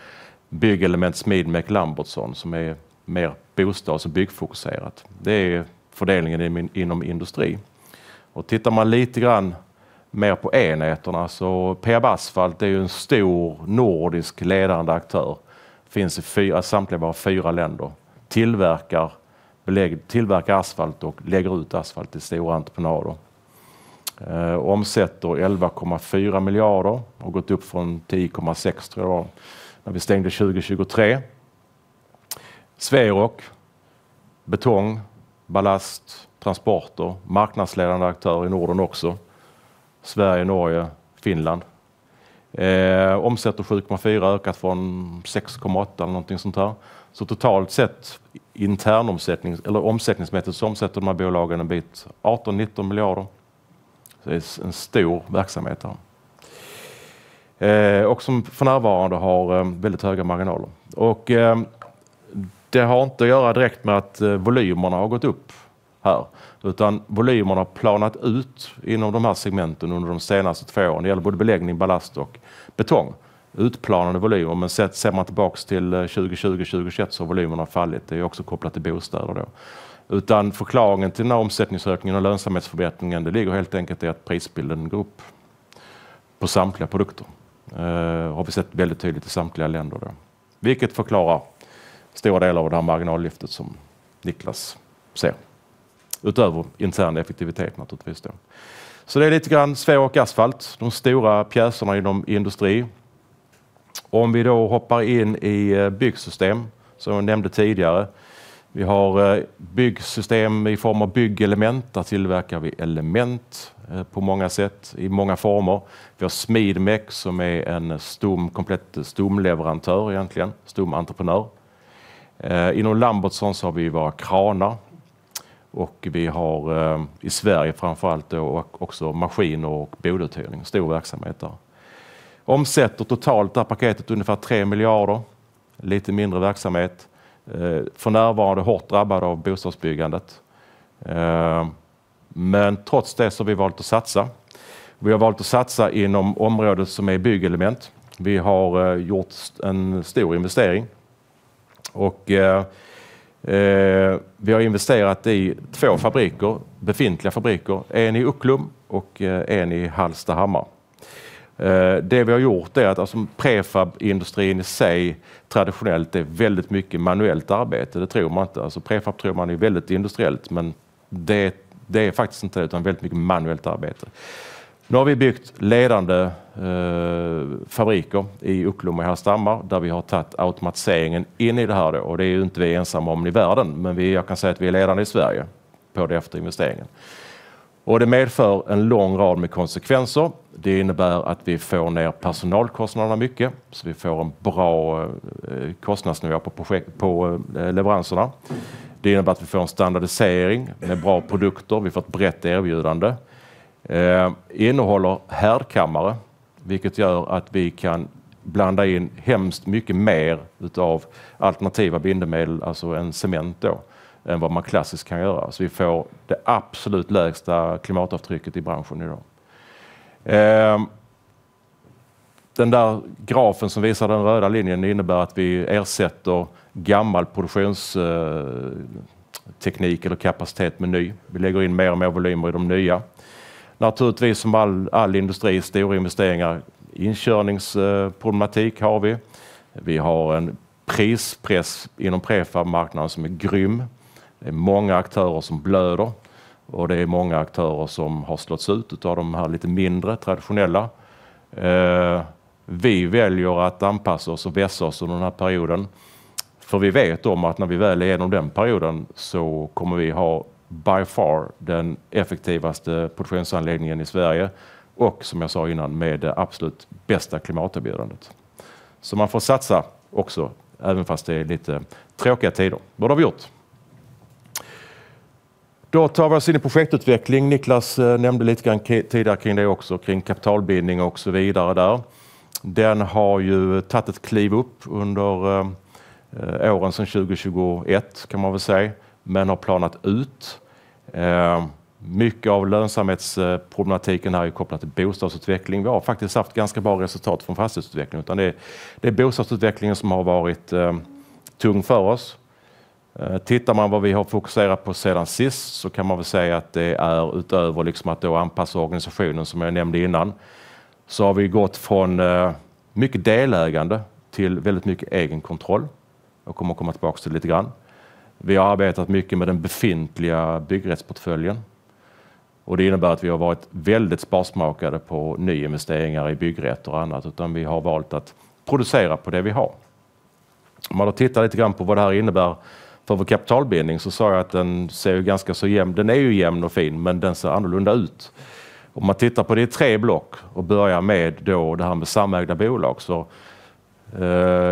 Bygg Element, Smed, Meck, Lambertsson, som är mer bostads- och byggfokuserat. Det är fördelningen inom industri. Tittar man lite grann mer på enheterna, så PEAB Asphalt är ju en stor nordisk ledande aktör. Finns i samtliga våra fyra länder. Tillverkar asfalt och lägger ut asfalt till stora entreprenader. Omsätter 11,4 miljarder. Har gått upp från 10,6 tror jag det var när vi stängde 2023. Sveirock. Betong, ballast, transporter. Marknadsledande aktör i Norden också. Sverige, Norge, Finland. Omsätter 7,4, ökat från 6,8 eller någonting sånt här. Totalt sett, internomsättningsmässigt, så omsätter de här bolagen en bit 18-19 miljarder. Det är en stor verksamhet här. Som för närvarande har väldigt höga marginaler. Det har inte att göra direkt med att volymerna har gått upp här. Utan volymerna har planat ut inom de här segmenten under de senaste två åren. Det gäller både beläggning, ballast och betong. Utplanade volymer. Men ser man tillbaka till 2020-2021 så har volymerna fallit. Det är ju också kopplat till bostäder då. Utan förklaringen till den här omsättningsökningen och lönsamhetsförbättringen, det ligger helt enkelt i att prisbilden går upp på samtliga produkter. Det har vi sett väldigt tydligt i samtliga länder då. Vilket förklarar stora delar av det här marginallyftet som Niklas ser. Utöver intern effektivitet naturligtvis då. Så det är lite grann Sveirock Asphalt. De stora pjäserna inom industri. Om vi då hoppar in i byggsystem, som jag nämnde tidigare. Vi har byggsystem i form av byggelement. Där tillverkar vi element på många sätt, i många former. Vi har Smed, Meck, som är en stomkomplett stomleverantör egentligen. Stomentreprenör. Inom Lambertsson så har vi ju våra kranar. Vi har i Sverige framförallt också maskiner och bodeluthyrning. Stor verksamhet där. Omsätter totalt det här paketet ungefär 3 miljarder. Lite mindre verksamhet. För närvarande hårt drabbad av bostadsbyggandet. Men trots det så har vi valt att satsa. Vi har valt att satsa inom området som är byggelement. Vi har gjort en stor investering. Vi har investerat i två fabriker. Befintliga fabriker. En i Ucklum och en i Hallstahammar. Det vi har gjort är att prefabindustrin i sig traditionellt är väldigt mycket manuellt arbete. Det tror man inte. Alltså prefab tror man är väldigt industriellt. Men det är faktiskt inte det, utan väldigt mycket manuellt arbete. Nu har vi byggt ledande fabriker i Ucklum och i Hallstahammar. Där vi har tagit automatiseringen in i det här då. Det är ju inte vi ensamma om i världen. Men jag kan säga att vi är ledande i Sverige på det efter investeringen. Det medför en lång rad med konsekvenser. Det innebär att vi får ner personalkostnaderna mycket. Så vi får en bra kostnadsnivå på leveranserna. Det innebär att vi får en standardisering med bra produkter. Vi får ett brett erbjudande. Innehåller härdkammare. Vilket gör att vi kan blanda in mycket mer av alternativa bindemedel. Alltså en cement då. Än vad man klassiskt kan göra. Så vi får det absolut lägsta klimatavtrycket i branschen idag. Den där grafen som visar den röda linjen innebär att vi ersätter gammal produktionsteknik eller kapacitet med ny. Vi lägger in mer och mer volymer i de nya. Naturligtvis som all industri, stora investeringar. Inkörningsproblematik har vi. Vi har en prispress inom prefabmarknaden som är grym. Det är många aktörer som blöder. Och det är många aktörer som har slagits ut av de här lite mindre traditionella. Vi väljer att anpassa oss och vässa oss under den här perioden. För vi vet om att när vi väl är igenom den perioden så kommer vi ha by far den effektivaste produktionsanläggningen i Sverige. Och som jag sa innan, med det absolut bästa klimaterbjudandet. Så man får satsa också, även fast det är lite tråkiga tider. Det har vi gjort. Då tar vi oss in i projektutveckling. Niklas nämnde lite grann tidigare kring det också. Kring kapitalbindning och så vidare där. Den har ju tagit ett kliv upp under åren sedan 2021, kan man väl säga. Men har planat ut. Mycket av lönsamhetsproblematiken här är ju kopplat till bostadsutveckling. Vi har faktiskt haft ganska bra resultat från fastighetsutveckling. Utan det är bostadsutvecklingen som har varit tung för oss. Tittar man vad vi har fokuserat på sedan sist så kan man väl säga att det är utöver att då anpassa organisationen som jag nämnde innan. Vi har gått från mycket delägande till väldigt mycket egenkontroll. Jag kommer att komma tillbaka till det lite grann. Vi har arbetat mycket med den befintliga byggrättsportföljen. Det innebär att vi har varit väldigt sparsmakade på nyinvesteringar i byggrätter och annat. Utan vi har valt att producera på det vi har. Om man då tittar lite grann på vad det här innebär för vår kapitalbindning så sa jag att den ser ju ganska så jämn. Den är ju jämn och fin, men den ser annorlunda ut. Om man tittar på det i tre block och börjar med då det här med samägda bolag så.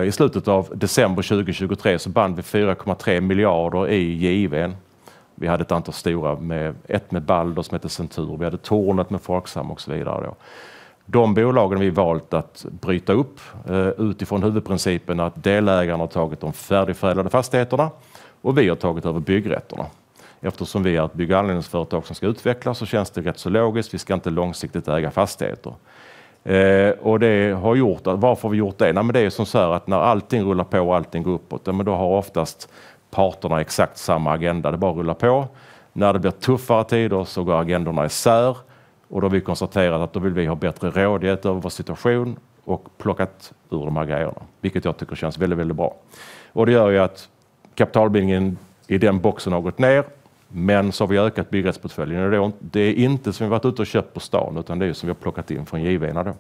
I slutet av december 2023 så band vi 4,3 miljarder i JV. Vi hade ett antal stora, med ett med Balder som heter Centur. Vi hade Tornet med Folksam och så vidare då. De bolagen vi valt att bryta upp utifrån huvudprincipen att delägarna har tagit de färdigförädlade fastigheterna och vi har tagit över byggrätterna. Eftersom vi är ett bygganläggningsföretag som ska utvecklas så känns det rätt så logiskt. Vi ska inte långsiktigt äga fastigheter. Och det har gjort, varför har vi gjort det? Det är ju som så här att när allting rullar på och allting går uppåt, då har oftast parterna exakt samma agenda. Det bara rullar på. När det blir tuffare tider så går agendorna isär. Och då har vi konstaterat att då vill vi ha bättre rådighet över vår situation och plockat ur de här grejerna. Vilket jag tycker känns väldigt, väldigt bra. Och det gör ju att kapitalbindningen i den boxen har gått ner. Men så har vi ökat byggrättsportföljen. Det är inte som vi har varit ute och köpt på stan, utan det är ju som vi har plockat in från JIV då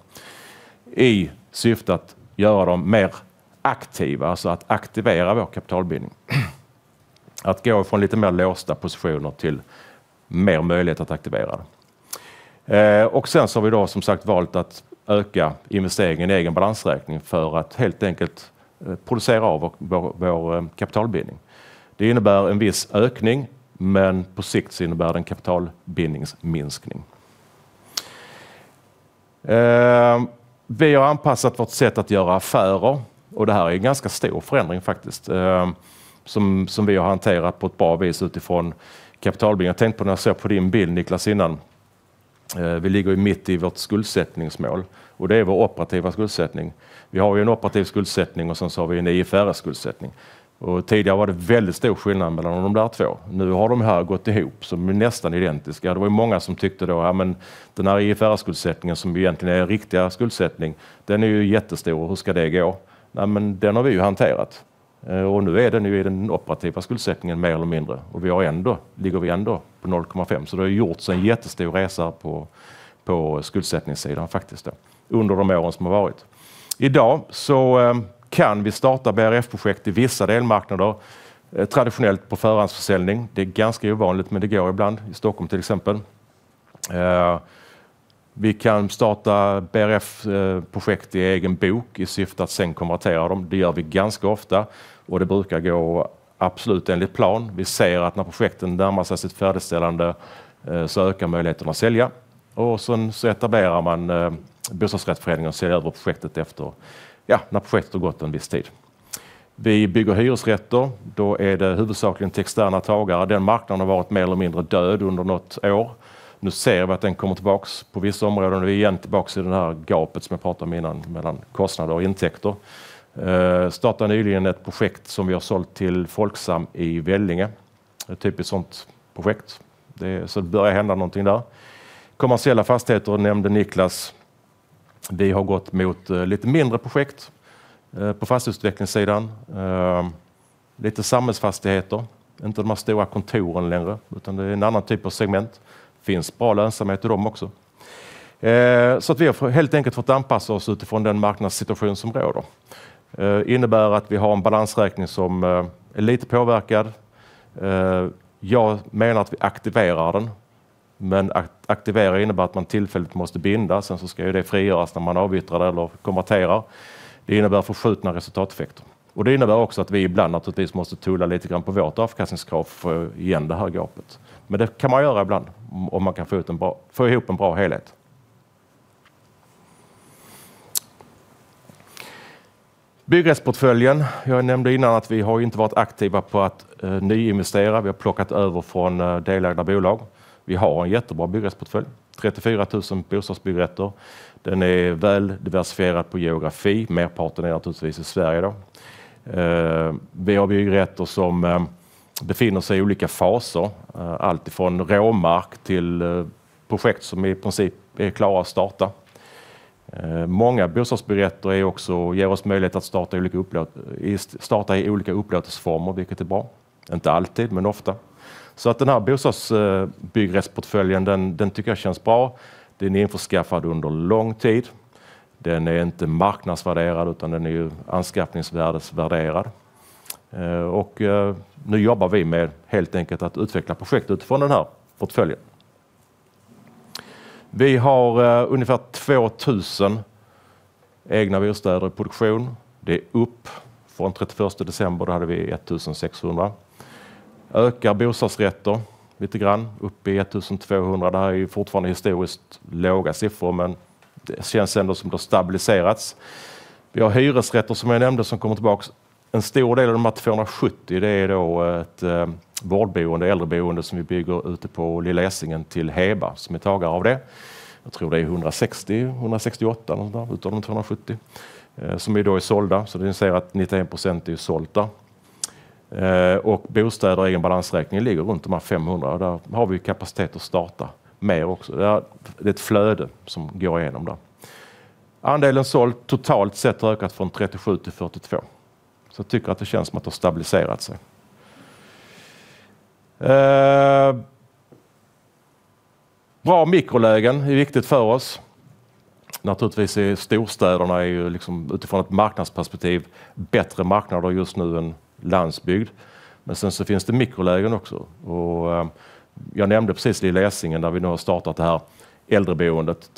i syfte att göra dem mer aktiva. Alltså att aktivera vår kapitalbindning. Att gå från lite mer låsta positioner till mer möjlighet att aktivera det. Sen så har vi då som sagt valt att öka investeringen i egen balansräkning för att helt enkelt producera av vår kapitalbindning. Det innebär en viss ökning, men på sikt så innebär det en kapitalbindningsminskning. Vi har anpassat vårt sätt att göra affärer. Det här är en ganska stor förändring faktiskt som vi har hanterat på ett bra vis utifrån kapitalbindning. Jag tänkte på när jag såg på din bild, Niklas, innan. Vi ligger ju mitt i vårt skuldsättningsmål. Det är vår operativa skuldsättning. Vi har ju en operativ skuldsättning och sen så har vi en IFRS-skuldsättning. Tidigare var det väldigt stor skillnad mellan de där två. Nu har de här gått ihop som är nästan identiska. Det var ju många som tyckte då, ja men den här IFRS-skuldsättningen som vi egentligen är riktiga skuldsättning, den är ju jättestor. Hur ska det gå? Men den har vi ju hanterat. Nu är den ju i den operativa skuldsättningen mer eller mindre. Vi har ändå, ligger vi ändå på 0,5. Det har ju gjorts en jättestor resa på skuldsättningssidan faktiskt då under de åren som har varit. Idag så kan vi starta BRF-projekt i vissa delmarknader. Traditionellt på förhandsförsäljning. Det är ganska ovanligt, men det går ibland. I Stockholm till exempel. Vi kan starta BRF-projekt i egen bok i syfte att sen konvertera dem. Det gör vi ganska ofta. Och det brukar gå absolut enligt plan. Vi ser att när projekten närmar sig sitt färdigställande så ökar möjligheterna att sälja. Sen så etablerar man bostadsrättsföreningen och säljer över projektet efter, ja, när projektet har gått en viss tid. Vi bygger hyresrätter. Då är det huvudsakligen till externa tagare. Den marknaden har varit mer eller mindre död under något år. Nu ser vi att den kommer tillbaka på vissa områden. Vi är igen tillbaka i det här gapet som jag pratade om innan. Mellan kostnader och intäkter. Startade nyligen ett projekt som vi har sålt till Folksam i Vällinge. Ett typiskt sånt projekt. Det är så det börjar hända någonting där. Kommersiella fastigheter nämnde Niklas. Vi har gått mot lite mindre projekt på fastighetsutvecklingssidan. Lite samhällsfastigheter. Inte de här stora kontoren längre. Utan det är en annan typ av segment. Finns bra lönsamhet i dem också. Så att vi har helt enkelt fått anpassa oss utifrån den marknadssituation som råder. Det innebär att vi har en balansräkning som är lite påverkad. Jag menar att vi aktiverar den. Men aktivera innebär att man tillfälligt måste binda. Sen så ska ju det frigöras när man avyttrar det eller konverterar. Det innebär förskjutna resultateffekter. Det innebär också att vi ibland naturligtvis måste tulla lite grann på vårt avkastningskrav för att få igen det här gapet. Men det kan man göra ibland. Om man kan få ut en bra, få ihop en bra helhet. Byggrättsportföljen. Jag nämnde innan att vi har ju inte varit aktiva på att nyinvestera. Vi har plockat över från delägda bolag. Vi har en jättebra byggrättsportfölj. 34,000 bostadsbyggrätter. Den är väl diversifierad på geografi. Merparten är naturligtvis i Sverige då. Vi har byggrätter som befinner sig i olika faser. Alltifrån råmark till projekt som i princip är klara att starta. Många bostadsbyggrätter ger oss möjlighet att starta i olika upplåtelseformer, vilket är bra. Inte alltid, men ofta. Den här bostadsbyggrättsportföljen tycker jag känns bra. Den är införskaffad under lång tid. Den är inte marknadsvärderad utan den är anskaffningsvärdesvärderad. Nu jobbar vi med att utveckla projekt utifrån den här portföljen. Vi har ungefär 2,000 egna bostäder i produktion. Det är upp från 31 december, då hade vi 1,600. Ökar bostadsrätter lite grann upp i 1,200. Det här är fortfarande historiskt låga siffror, men det känns ändå som det har stabiliserats. Vi har hyresrätter som jag nämnde som kommer tillbaka. En stor del av de här 270, det är ett vårdboende, äldreboende som vi bygger ute på Lilla Essingen till Heba som är tagare av det. Jag tror det är 160, 168 eller sådär utav de 270 som ju då är sålda. Så ni ser att 91% är ju sålda. Bostäder i egen balansräkning ligger runt de här 500. Där har vi ju kapacitet att starta mer också. Det är ett flöde som går igenom där. Andelen såld totalt sett har ökat från 37% till 42%. Så jag tycker att det känns som att det har stabiliserat sig. Bra mikrolägen är viktigt för oss. Naturligtvis är storstäderna ju liksom utifrån ett marknadsperspektiv bättre marknader just nu än landsbygd. Men sen så finns det mikrolägen också. Jag nämnde precis Lilla Essingen där vi nu har startat det här äldreboendet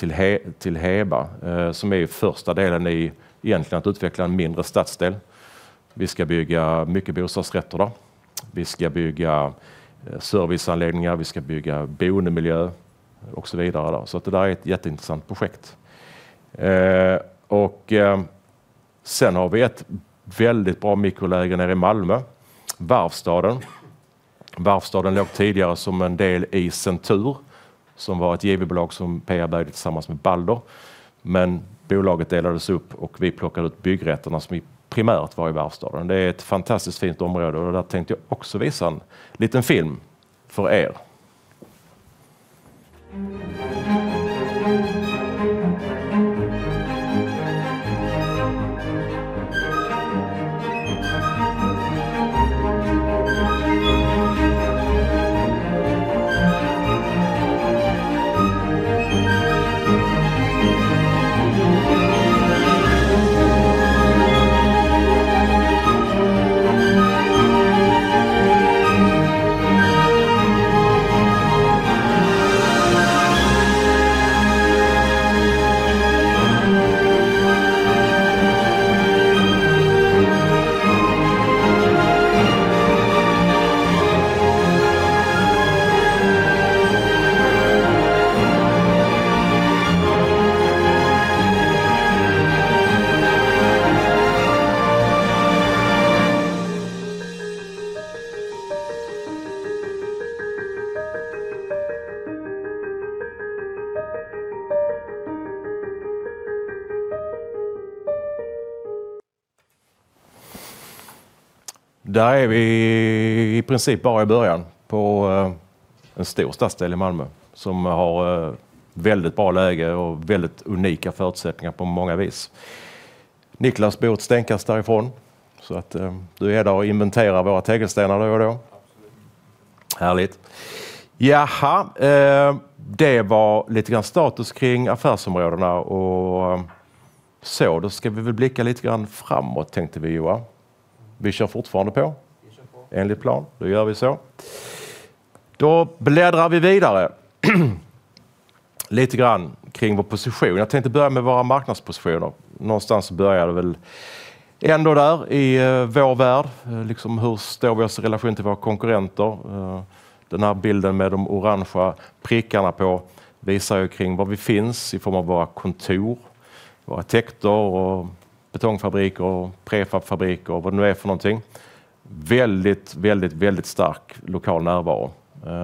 till Heba, som är ju första delen i egentligen att utveckla en mindre stadsdel. Vi ska bygga mycket bostadsrätter där. Vi ska bygga serviceanläggningar. Vi ska bygga boendemiljö och så vidare där. Så det där är ett jätteintressant projekt. Sen har vi ett väldigt bra mikroläge nere i Malmö. Varvstaden. Varvstaden låg tidigare som en del i Centur. Som var ett JV-bolag som PR Bäck tillsammans med Balder. Men bolaget delades upp och vi plockade ut byggrätterna som primärt var i Varvstaden. Det är ett fantastiskt fint område. Där tänkte jag också visa en liten film för. Där är vi i princip bara i början. På en stor stadsdel i Malmö. Som har väldigt bra läge och väldigt unika förutsättningar på många vis. Niklas bor ett stenkast därifrån. Så du är där och inventerar våra tegelstenar då och då. Absolut. Härligt. Det var lite grann status kring affärsområdena. Så då ska vi väl blicka lite grann framåt, tänkte vi, Joar. Vi kör fortfarande på. Vi kör på enligt plan. Då gör vi så. Då bläddrar vi vidare. Lite grann kring vår position. Jag tänkte börja med våra marknadspositioner. Någonstans så börjar det väl ändå där i vår värld. Liksom hur står vi oss i relation till våra konkurrenter. Den här bilden med de orangea prickarna på visar ju kring var vi finns i form av våra kontor. Våra täkter och betongfabriker och prefabfabriker och vad det nu är för någonting. Väldigt, väldigt, väldigt stark lokal närvaro.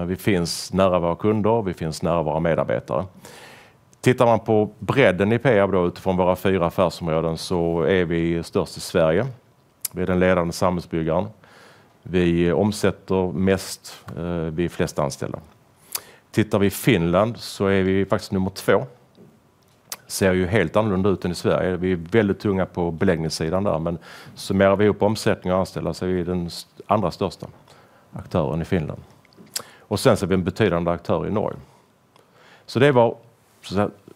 Vi finns nära våra kunder. Vi finns nära våra medarbetare. Tittar man på bredden i PR då utifrån våra fyra affärsområden så är vi störst i Sverige. Vi är den ledande samhällsbyggaren. Vi omsätter mest vid flest anställda. Tittar vi i Finland så är vi faktiskt nummer två. Ser ju helt annorlunda ut än i Sverige. Vi är väldigt tunga på beläggningssidan där. Men summerar vi ihop omsättning och anställda så är vi den andra största aktören i Finland. Och sen så är vi en betydande aktör i Norge. Så det är vår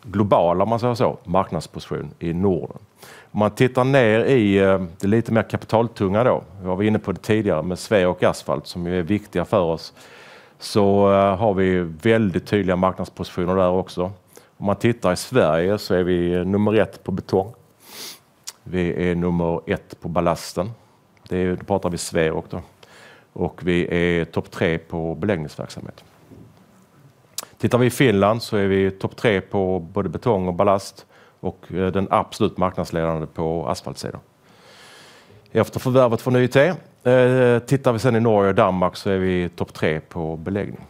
globala, om man säger så, marknadsposition i Norden. Om man tittar ner i det lite mer kapitaltunga då. Vi var inne på det tidigare med Svea och Asphalt som ju är viktiga för oss. Så har vi väldigt tydliga marknadspositioner där också. Om man tittar i Sverige så är vi nummer ett på betong. Vi är nummer ett på ballasten. Det är då pratar vi Svea också. Vi är topp tre på beläggningsverksamhet. Tittar vi i Finland så är vi topp tre på både betong och ballast. Vi är den absolut marknadsledande på asfaltsidan. Efter förvärvet från IT tittar vi sen i Norge och Danmark så är vi topp tre på beläggning.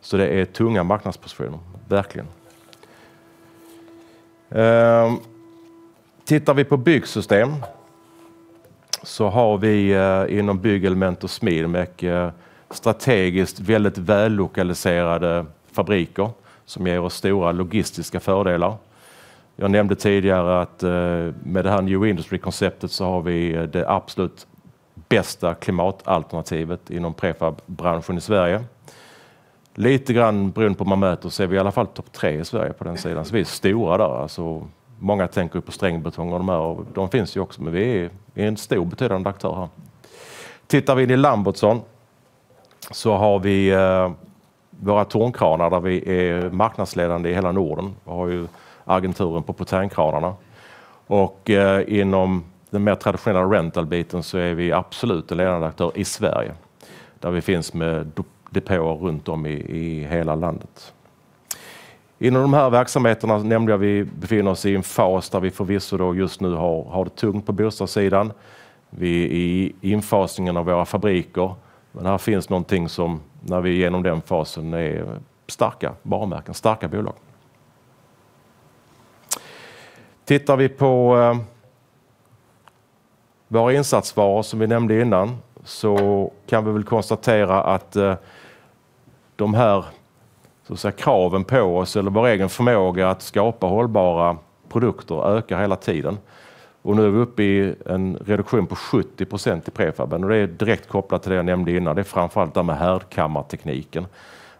Så det är tunga marknadspositioner. Verkligen. Tittar vi på byggsystem så har vi inom Bygg, Element och Smidmek strategiskt väldigt välokaliserade fabriker som ger oss stora logistiska fördelar. Jag nämnde tidigare att med det här New Industry-konceptet så har vi det absolut bästa klimatalternativet inom prefab-branschen i Sverige. Lite grann beroende på vad man möter så är vi i alla fall topp tre i Sverige på den sidan. Så vi är stora där. Många tänker ju på spännbetong och de här. De finns ju också, men vi är en stor betydande aktör här. Tittar vi in i Lambertsson så har vi våra tornkranar där vi är marknadsledande i hela Norden. Vi har ju agenturen på potainkranarna. Inom den mer traditionella rental-biten så är vi absolut en ledande aktör i Sverige. Där vi finns med depåer runt om i hela landet. Inom de här verksamheterna nämnde jag att vi befinner oss i en fas där vi förvisso då just nu har det tungt på bostadssidan. Vi är i infasningen av våra fabriker. Men här finns någonting som när vi är genom den fasen är starka varumärken, starka bolag. Tittar vi på våra insatsvaror som vi nämnde innan så kan vi väl konstatera att de här så att säga kraven på oss eller vår egen förmåga att skapa hållbara produkter ökar hela tiden. Nu är vi uppe i en reduktion på 70% i prefaben. Det är direkt kopplat till det jag nämnde innan. Det är framförallt det här med härdkammartekniken.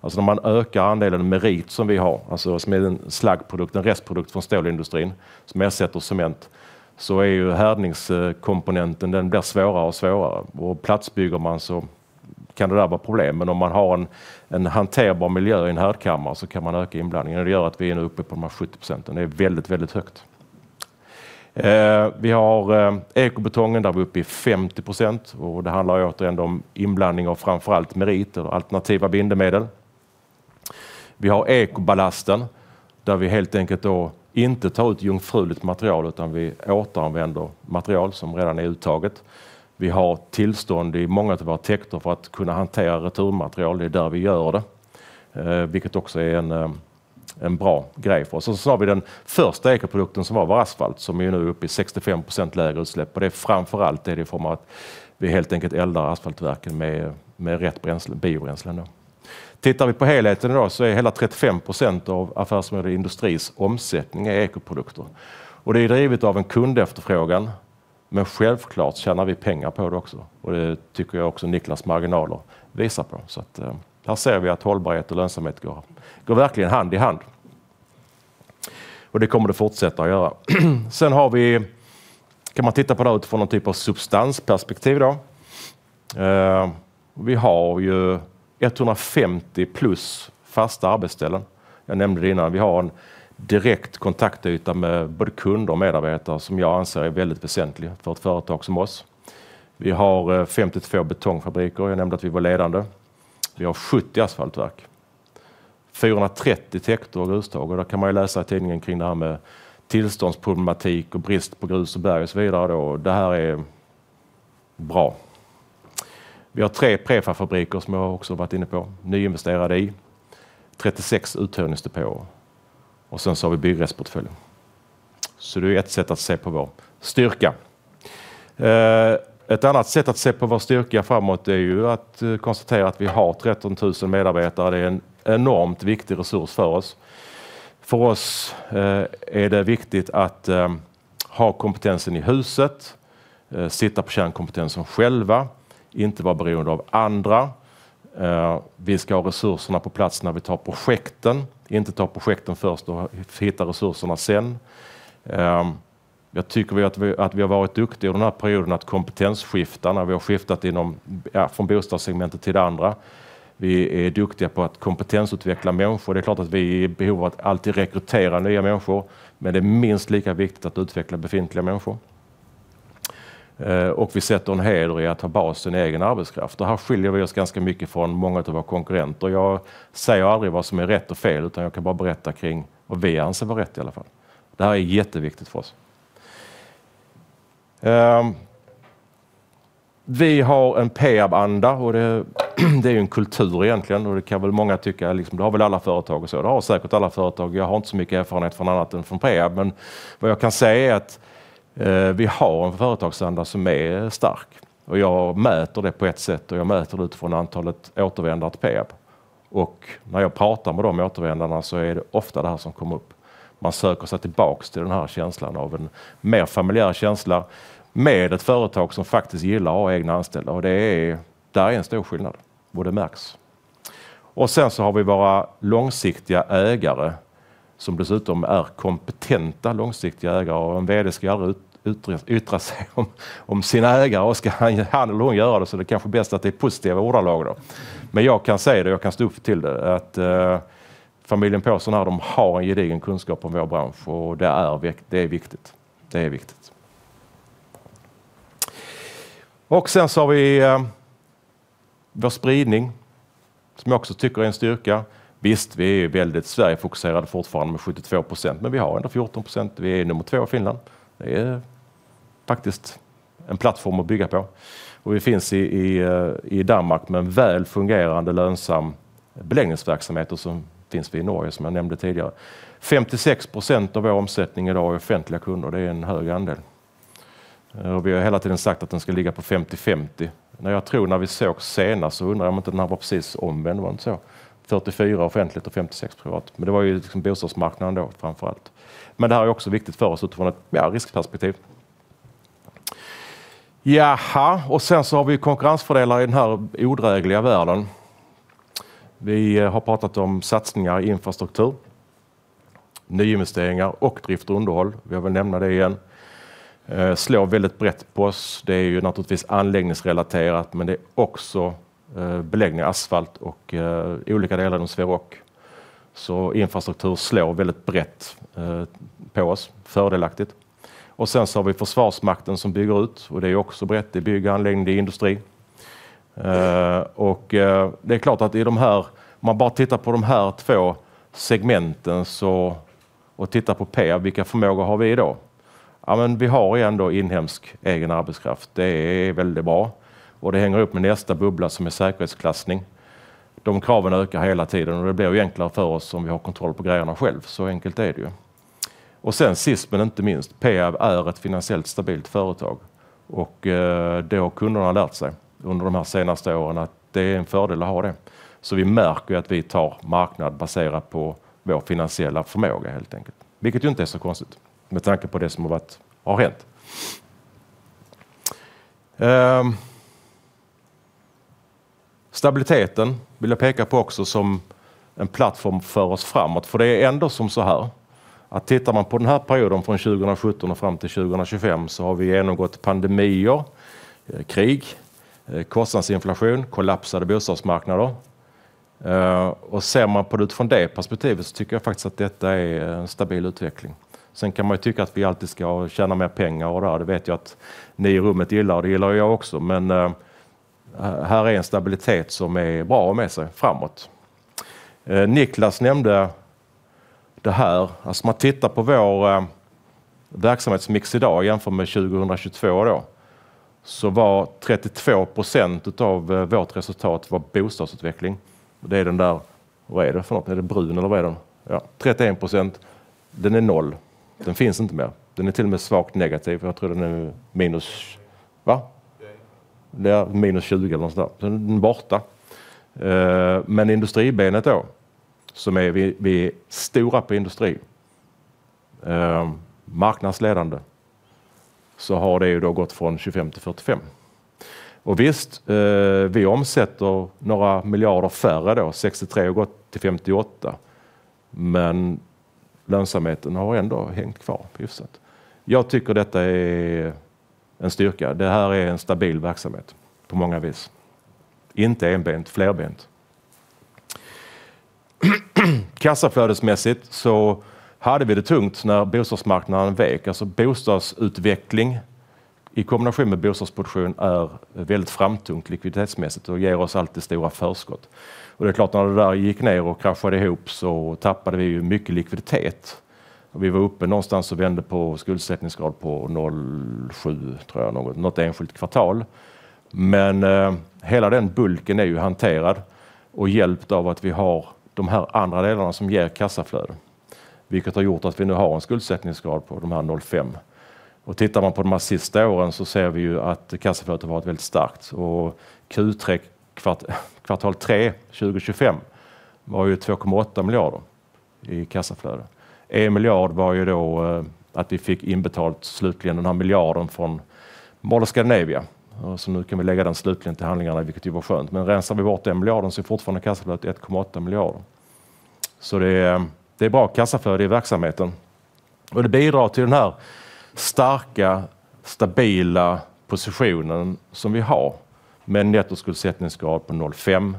När man ökar andelen merit som vi har, som är en slaggprodukt, en restprodukt från stålindustrin som ersätter cement, så är ju härdningskomponenten, den blir svårare och svårare. Platsbygger man så kan det där vara problem. Men om man har en hanterbar miljö i en härdkammare så kan man öka inblandningen. Det gör att vi är nu uppe på de här 70%. Det är väldigt, väldigt högt. Vi har ekobetongen där vi är uppe i 50%. Det handlar återigen om inblandning av framförallt merit och alternativa bindemedel. Vi har ekoballasten där vi helt enkelt då inte tar ut jungfruligt material utan vi återanvänder material som redan är uttaget. Vi har tillstånd i många av våra täkter för att kunna hantera returmaterial. Det är där vi gör det, vilket också är en bra grej för oss. Så har vi den första ekoprodukten som var vår asfalt som är nu uppe i 65% lägre utsläpp. Det är framförallt i form av att vi helt enkelt eldar asfaltverken med rätt biobränsle. Tittar vi på helheten idag så är hela 35% av affärsmedel i industris omsättning ekoprodukter. Det är ju drivet av en kundefterfrågan. Men självklart tjänar vi pengar på det också. Det tycker jag också Niklas marginaler visar på. Så att här ser vi att hållbarhet och lönsamhet går verkligen hand i hand. Det kommer det fortsätta att göra. Sen har vi, kan man titta på det utifrån någon typ av substansperspektiv då. Vi har ju 150 plus fasta arbetsställen. Jag nämnde det innan. Vi har en direkt kontaktyta med både kunder och medarbetare som jag anser är väldigt väsentlig för ett företag som oss. Vi har 52 betongfabriker. Jag nämnde att vi var ledande. Vi har 70 asfaltverk. 430 täkter och grustag. Där kan man ju läsa i tidningen kring det här med tillståndsproblematik och brist på grus och berg och så vidare. Och det här är bra. Vi har tre prefabfabriker som jag också varit inne på. Nyinvesterade i. 36 uthyrningsdepåer. Sen så har vi byggrättsportföljen. Det är ju ett sätt att se på vår styrka. Ett annat sätt att se på vår styrka framåt är ju att konstatera att vi har 13,000 medarbetare. Det är en enormt viktig resurs för oss. För oss är det viktigt att ha kompetensen i huset. Sitta på kärnkompetensen själva. Inte vara beroende av andra. Vi ska ha resurserna på plats när vi tar projekten. Inte ta projekten först och hitta resurserna sen. Jag tycker vi har varit duktiga i den här perioden att kompetensskifta. När vi har skiftat inom från bostadssegmentet till det andra. Vi är duktiga på att kompetensutveckla människor. Det är klart att vi är i behov av att alltid rekrytera nya människor. Men det är minst lika viktigt att utveckla befintliga människor. Vi sätter en heder i att ha basen i egen arbetskraft. Här skiljer vi oss ganska mycket från många av våra konkurrenter. Jag säger aldrig vad som är rätt och fel, utan jag kan bara berätta kring vad vi anser vara rätt i alla fall. Det här är jätteviktigt för oss. Vi har en PR-anda, och det är ju en kultur egentligen. Det kan väl många tycka att det har väl alla företag och så. Det har säkert alla företag. Jag har inte så mycket erfarenhet från annat än från PR. Men vad jag kan säga är att vi har en företagsanda som är stark. Jag mäter det på ett sätt, och jag mäter det utifrån antalet återvändare till PR. När jag pratar med de återvändarna så är det ofta det här som kommer upp. Man söker sig tillbaka till den här känslan av en mer familjär känsla. Med ett företag som faktiskt gillar att ha egna anställda. Det är där en stor skillnad. Det märks. Sen så har vi våra långsiktiga ägare. Som dessutom är kompetenta långsiktiga ägare. En VD ska ju aldrig yttra sig om sina ägare. Ska han eller hon göra det så är det kanske bäst att det är positiva ordalag då. Men jag kan säga det. Jag kan stå upp till det. Att familjen på sådana här de har en gedigen kunskap om vår bransch. Det är viktigt. Det är viktigt. Sen så har vi vår spridning. Som jag också tycker är en styrka. Visst, vi är väldigt Sverige-fokuserade fortfarande med 72%. Men vi har ändå 14%. Vi är nummer två i Finland. Det är faktiskt en plattform att bygga på. Vi finns i Danmark med en väl fungerande lönsam beläggningsverksamhet. Vi finns i Norge som jag nämnde tidigare. 56% av vår omsättning idag är offentliga kunder. Det är en hög andel. Vi har hela tiden sagt att den ska ligga på 50-50. När jag tror när vi såg senast så undrar jag om inte den här var precis omvänd. Det var inte så. 44% offentligt och 56% privat. Det var ju bostadsmarknaden då framförallt. Det här är också viktigt för oss utifrån ett riskperspektiv. Vi har konkurrensfördelar i den här bransch. Vi har pratat om satsningar i infrastruktur. Nyinvesteringar och drift och underhåll. Vi har nämnt det igen. Slår väldigt brett på oss. Det är ju naturligtvis anläggningsrelaterat. Det är också beläggning av asfalt och olika delar inom Svevia. Så infrastruktur slår väldigt brett på oss. Fördelaktigt. Sen så har vi Försvarsmakten som bygger ut. Det är ju också brett. Det är bygg, anläggning, det är industri. Det är klart att i de här. Om man bara tittar på de här två segmenten. Tittar på PR. Vilka förmågor har vi idag? Ja, men vi har ändå inhemsk egen arbetskraft. Det är väldigt bra. Det hänger upp med nästa bubbla som är säkerhetsklassning. De kraven ökar hela tiden. Det blir ju enklare för oss om vi har kontroll på grejerna själv. Så enkelt är det ju. Sen sist men inte minst. PR är ett finansiellt stabilt företag. Det har kunderna lärt sig under de här senaste åren. Att det är en fördel att ha det. Vi märker ju att vi tar marknad baserat på vår finansiella förmåga helt enkelt. Vilket ju inte är så konstigt med tanke på det som har hänt. Stabiliteten vill jag peka på också som en plattform för oss framåt. För det är ändå så här att tittar man på den här perioden från 2017 och fram till 2025, så har vi genomgått pandemier, krig, kostnadsinflation, kollapsade bostadsmarknader. Ser man på det utifrån det perspektivet så tycker jag faktiskt att detta är en stabil utveckling. Sen kan man ju tycka att vi alltid ska tjäna mer pengar, och det vet jag att ni i rummet gillar. Det gillar ju jag också. Men här är en stabilitet som är bra att ha med sig framåt. Niklas nämnde det här. Om man tittar på vår verksamhetsmix idag jämfört med 2022 då, så var 32% av vårt resultat bostadsutveckling. Det är den där... Vad är det för något? Är det brun eller vad är den? Ja, 31%. Den är noll. Den finns inte mer. Den är till och med svagt negativ. Jag tror den är minus. Vad? Det är minus 20% eller något sånt där. Den är borta. Men industribenet då, som vi är stora på industri. Marknadsledande. Har det ju då gått från 25% till 45%. Visst, vi omsätter några miljarder färre då. 63% har gått till 58%. Men lönsamheten har ändå hängt kvar. Jag tycker detta är en styrka. Det här är en stabil verksamhet på många vis. Inte enbent. Flerbent. Kassaflödesmässigt hade vi det tungt när bostadsmarknaden vek. Bostadsutveckling i kombination med bostadsproduktion är väldigt framtungt likviditetsmässigt och ger oss alltså stora förskott. Det är klart när det där gick ner och kraschade ihop tappade vi ju mycket likviditet. Och vi var uppe någonstans och vände på skuldsättningsgrad på 0,7, tror jag något enskilt kvartal. Men hela den bulken är ju hanterad och hjälpt av att vi har de här andra delarna som ger kassaflöde, vilket har gjort att vi nu har en skuldsättningsgrad på de här 0,5. Tittar man på de här sista åren ser vi ju att kassaflödet har varit väldigt starkt. Q3 kvartal 3 2025 var ju 2,8 miljarder i kassaflöde. En miljard var ju då att vi fick inbetalt slutligen den här miljarden från Mål och Scandinavia. Nu kan vi lägga den slutligen till handlingarna, vilket ju var skönt. Men rensar vi bort den miljarden är fortfarande kassaflödet 1,8 miljarder. Det är bra kassaflöde i verksamheten och det bidrar till den här starka, stabila positionen som vi har med en nettoskuldsättningsgrad på 0,5.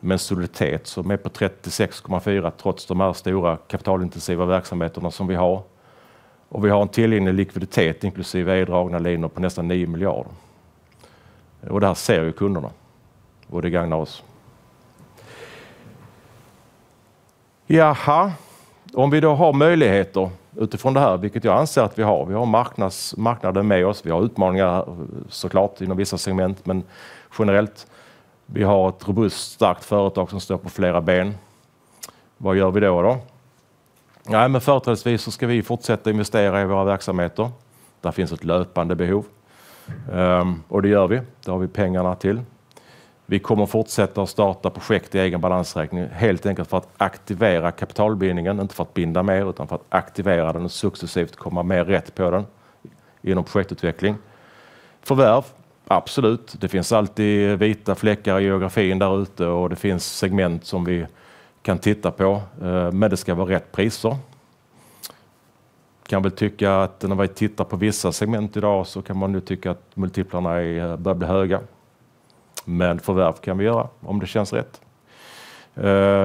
Med en soliditet som är på 36,4%. Trots de här stora kapitalintensiva verksamheterna som vi har. Vi har en tillgänglig likviditet, inklusive idragna linor på nästan 9 miljarder. Det här ser ju kunderna, och det gagnar oss. Om vi då har möjligheter utifrån det här, vilket jag anser att vi har - vi har marknaden med oss, vi har utmaningar såklart inom vissa segment, men generellt vi har ett robust starkt företag som står på flera ben - vad gör vi då? Företrädesvis så ska vi fortsätta investera i våra verksamheter. Där finns ett löpande behov, och det gör vi. Det har vi pengarna till. Vi kommer fortsätta att starta projekt i egen balansräkning, helt enkelt för att aktivera kapitalbindningen. Inte för att binda mer, utan för att aktivera den och successivt komma mer rätt på den inom projektutveckling. Förvärv, absolut. Det finns alltid vita fläckar i geografin där ute. Det finns segment som vi kan titta på. Men det ska vara rätt priser. Kan väl tycka att när vi tittar på vissa segment idag så kan man nu tycka att multiplarna börjar bli höga. Men förvärv kan vi göra om det känns rätt.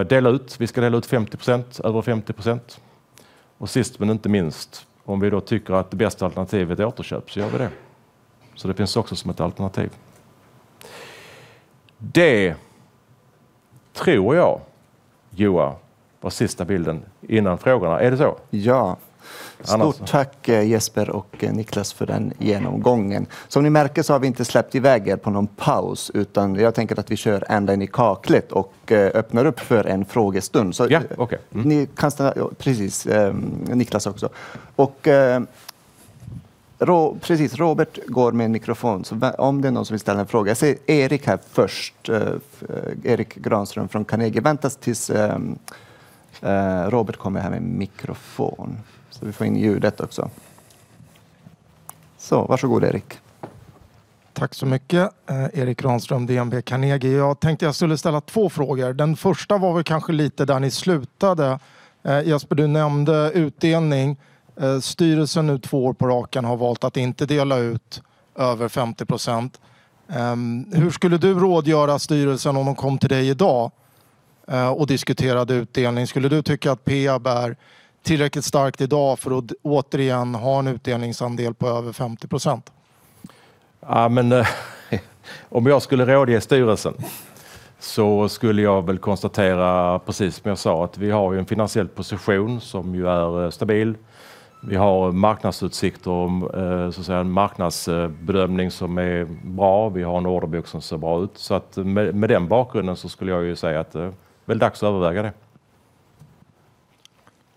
Dela ut. Vi ska dela ut 50%. Över 50%. Sist men inte minst, om vi då tycker att det bästa alternativet är återköp så gör vi det. Det finns också som ett alternativ. Det tror jag. Var sista bilden innan frågorna. Är det så? Ja. Stort tack Jesper och Niklas för den genomgången. Som ni märker så har vi inte släppt iväg på någon paus utan jag tänker att vi kör ända in i kaklet och öppnar upp för en frågestund. Ni kan ställa precis Niklas också. Robert går med en mikrofon. Om det är någon som vill ställa en fråga. Jag ser Erik här först. Erik Granström från Carnegie. Vänta tills Robert kommer här med en mikrofon så vi får in ljudet också. Varsågod Erik. Tack så mycket. Erik Granström, DNB Carnegie. Jag tänkte att jag skulle ställa två frågor. Den första var kanske lite där ni slutade. Jesper, du nämnde utdelning. Styrelsen nu två år på raken har valt att inte dela ut över 50%. Hur skulle du rådgöra styrelsen om de kom till dig idag och diskuterade utdelning? Skulle du tycka att PR bär tillräckligt starkt idag för att återigen ha en utdelningsandel på över 50%? Men om jag skulle rådge styrelsen så skulle jag konstatera precis som jag sa. Vi har ju en finansiell position som ju är stabil. Vi har marknadsutsikter och en marknadsbedömning som är bra. Vi har en orderbok som ser bra ut. Så med den bakgrunden så skulle jag ju säga att det är väl dags att överväga det.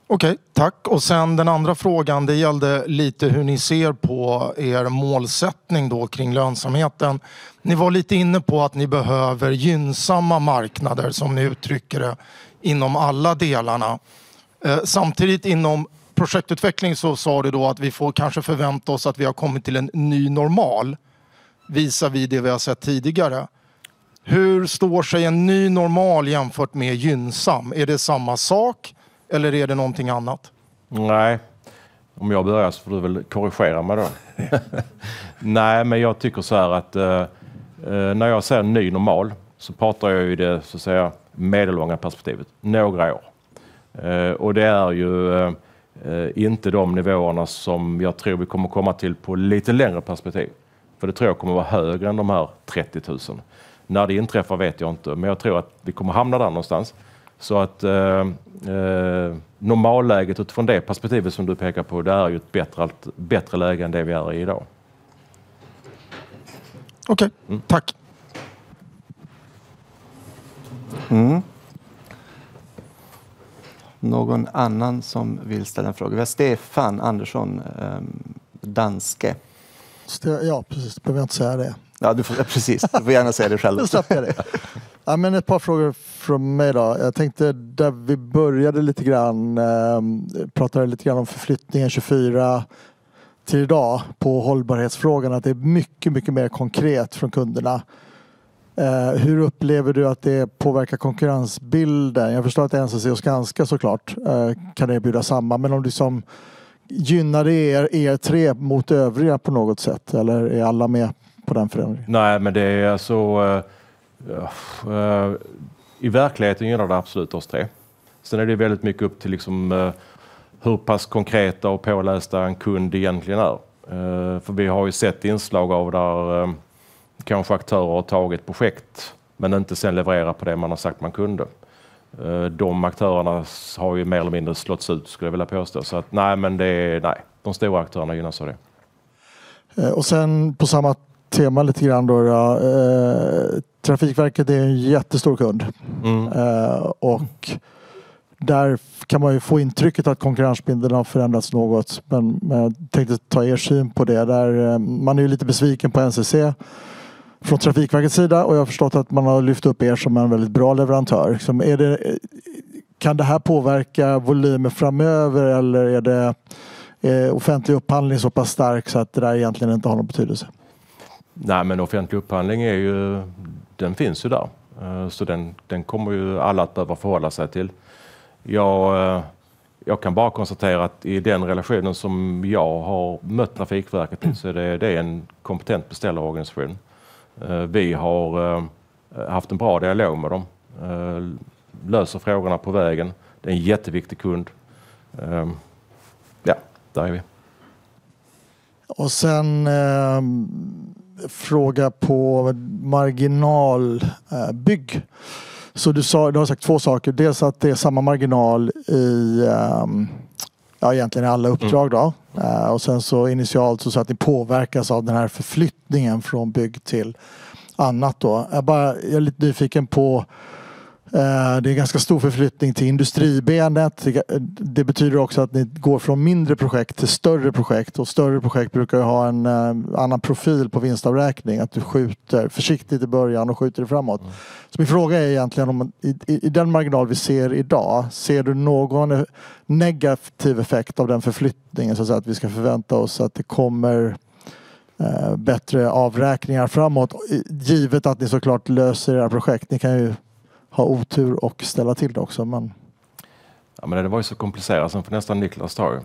Okej, tack. Den andra frågan gällde lite hur ni ser på målsättning då kring lönsamheten. Ni var lite inne på att ni behöver gynnsamma marknader som ni uttrycker det inom alla delarna. Samtidigt inom projektutveckling så sa du då att vi får kanske förvänta oss att vi har kommit till en ny normal. Visar vi det vi har sett tidigare. Hur står sig en ny normal jämfört med gynnsam? Är det samma sak eller är det någonting annat? Om jag börjar så får du väl korrigera mig då. Jag tycker så här att när jag säger ny normal så pratar jag ju det så att säga medellånga perspektivet. Några år. Och det är ju inte de nivåerna som jag tror vi kommer komma till på lite längre perspektiv. För det tror jag kommer vara högre än de här 30,000. När det inträffar vet jag inte. Men jag tror att vi kommer hamna där någonstans. Så att normalläget utifrån det perspektivet som du pekar på, det är ju ett bättre läge än det vi är i idag. Okej, tack. Någon annan som vill ställa en fråga? Jag ser Stefan Andersson Danske. Ja, precis. Behöver jag inte säga det? Ja, du får precis. Du får gärna säga det själv. Då stoppade jag det. Ja, men ett par frågor från mig då. Jag tänkte där vi började lite grann, pratade lite grann om förflyttningen 24 till idag på hållbarhetsfrågorna. Att det är mycket, mycket mer konkret från kunderna. Hur upplever du att det påverkar konkurrensbilden? Jag förstår att det är en som ser oss ganska så klart kan erbjuda samma. Men om du som gynnar tre mot övriga på något sätt? Eller är alla med på den förändringen? Nej, men det är alltså i verkligheten gynnar det absolut oss tre. Sen är det ju väldigt mycket upp till liksom hur pass konkreta och pålästa en kund egentligen är, för vi har ju sett inslag av där kanske aktörer har tagit projekt men inte sen levererat på det man har sagt man kunde. De aktörerna har ju mer eller mindre slagits ut, skulle jag vilja påstå. Så att nej, men det är nej. De stora aktörerna gynnas av det. På samma tema lite grann då, Trafikverket är en jättestor kund och där kan man ju få intrycket att konkurrensbilden har förändrats något. Men jag tänkte ta syn på det. Där man är ju lite besviken på NCC från Trafikverkets sida. Jag har förstått att man har lyft upp som en väldigt bra leverantör. Som är det? Kan det här påverka volymer framöver? Eller är det offentlig upphandling så pass stark så att det där egentligen inte har någon betydelse? Nej, men offentlig upphandling är ju, den finns ju där, så den kommer ju alla att behöva förhålla sig till. Jag kan bara konstatera att i den relationen som jag har mött Trafikverket i, så är det en kompetent beställarorganisation. Vi har haft en bra dialog med dem, löser frågorna på vägen. Det är en jätteviktig kund. Ja, där är vi. Sen, fråga på marginalbygg. Du sa, du har sagt två saker. Dels att det är samma marginal i, ja, egentligen i alla uppdrag då. Och sen så initialt så sa att ni påverkas av den här förflyttningen från bygg till annat då. Jag bara, jag är lite nyfiken på det är en ganska stor förflyttning till industribenet. Det betyder också att ni går från mindre projekt till större projekt. Större projekt brukar ju ha en annan profil på vinstavräkning. Att du skjuter försiktigt i början och skjuter det framåt. Så min fråga är egentligen om i den marginal vi ser idag, ser du någon negativ effekt av den förflyttningen? Så att säga att vi ska förvänta oss att det kommer bättre avräkningar framåt. Givet att ni såklart löser era projekt. Ni kan ju ha otur och ställa till det också, men ja, men det var ju så komplicerat som för nästan Niklas tar det.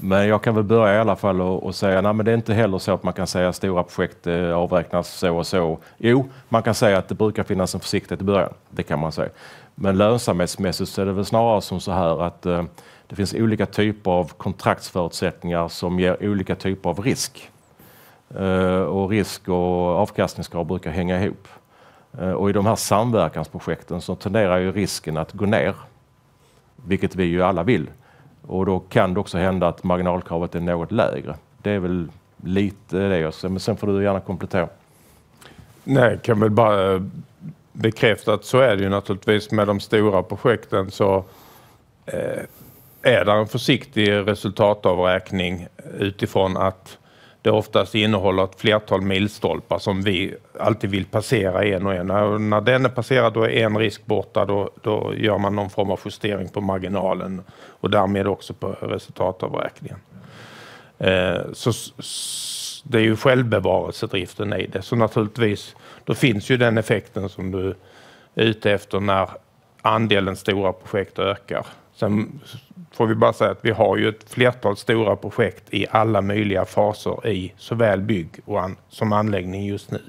Men jag kan väl börja i alla fall och säga, nej men det är inte heller så att man kan säga att stora projekt avräknas så och så. Jo, man kan säga att det brukar finnas en försiktighet i början. Det kan man säga. Men lönsamhetsmässigt så är det väl snarare som så här att det finns olika typer av kontraktsförutsättningar som ger olika typer av risk. Och risk och avkastningskrav brukar hänga ihop. Och i de här samverkansprojekten så tenderar ju risken att gå ner. Vilket vi ju alla vill. Och då kan det också hända att marginalkravet är något lägre. Det är väl lite det jag säger. Men sen får du gärna komplettera. Nej, jag kan väl bara bekräfta att så är det ju naturligtvis med de stora projekten. Så är det en försiktig resultatavräkning utifrån att det oftast innehåller ett flertal milstolpar som vi alltid vill passera en och en. När den är passerad då är en risk borta. Då gör man någon form av justering på marginalen och därmed också på resultatavräkningen. Det är ju självbevarelsedriften i det. Naturligtvis, då finns ju den effekten som du är ute efter när andelen stora projekt ökar. Sen får vi bara säga att vi har ju ett flertal stora projekt i alla möjliga faser i såväl bygg som anläggning just nu.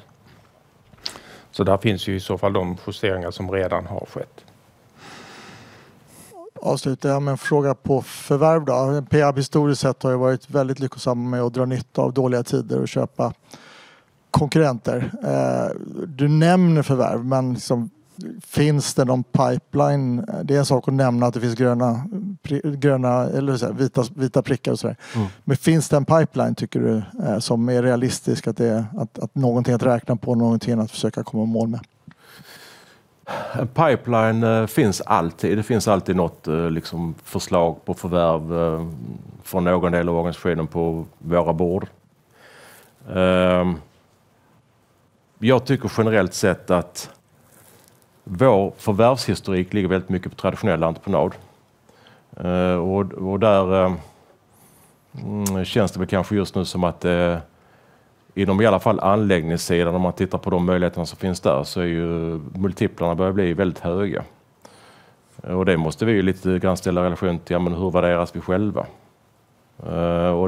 Där finns ju i så fall de justeringar som redan har skett. Avslutar jag med en fråga på förvärv då. PR historiskt sett har ju varit väldigt lyckosamma med att dra nytta av dåliga tider och köpa konkurrenter. Du nämner förvärv, men finns det någon pipeline? Det är en sak att nämna att det finns gröna, eller så här vita prickar och så där. Men finns det en pipeline tycker du som är realistisk? Att det är att någonting att räkna på, någonting att försöka komma i mål med? En pipeline finns alltid. Det finns alltid något förslag på förvärv från någon del av organisationen på våra board. Jag tycker generellt sett att vår förvärvshistorik ligger väldigt mycket på traditionell entreprenad. Där känns det kanske just nu som att det är inom i alla fall anläggningssidan. Om man tittar på de möjligheterna som finns där så är multiplarna börjar bli väldigt höga. Det måste vi lite grann ställa i relation till, ja men hur värderas vi själva?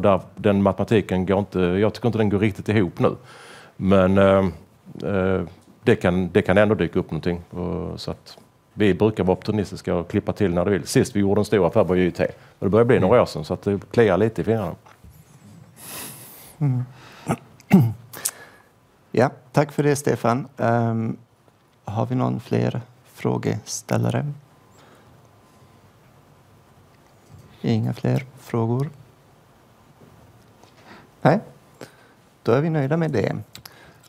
Där den matematiken går inte, jag tycker inte den går riktigt ihop nu. Men det kan ändå dyka upp någonting. Så att vi brukar vara optimistiska och klippa till när det vill. Sist vi gjorde en stor affär var ju i IT. Det börjar bli några år sedan. Så att det kliar lite i fingrarna. Ja, tack för det Stefan. Har vi någon fler frågeställare? Inga fler frågor? Nej, då är vi nöjda med det.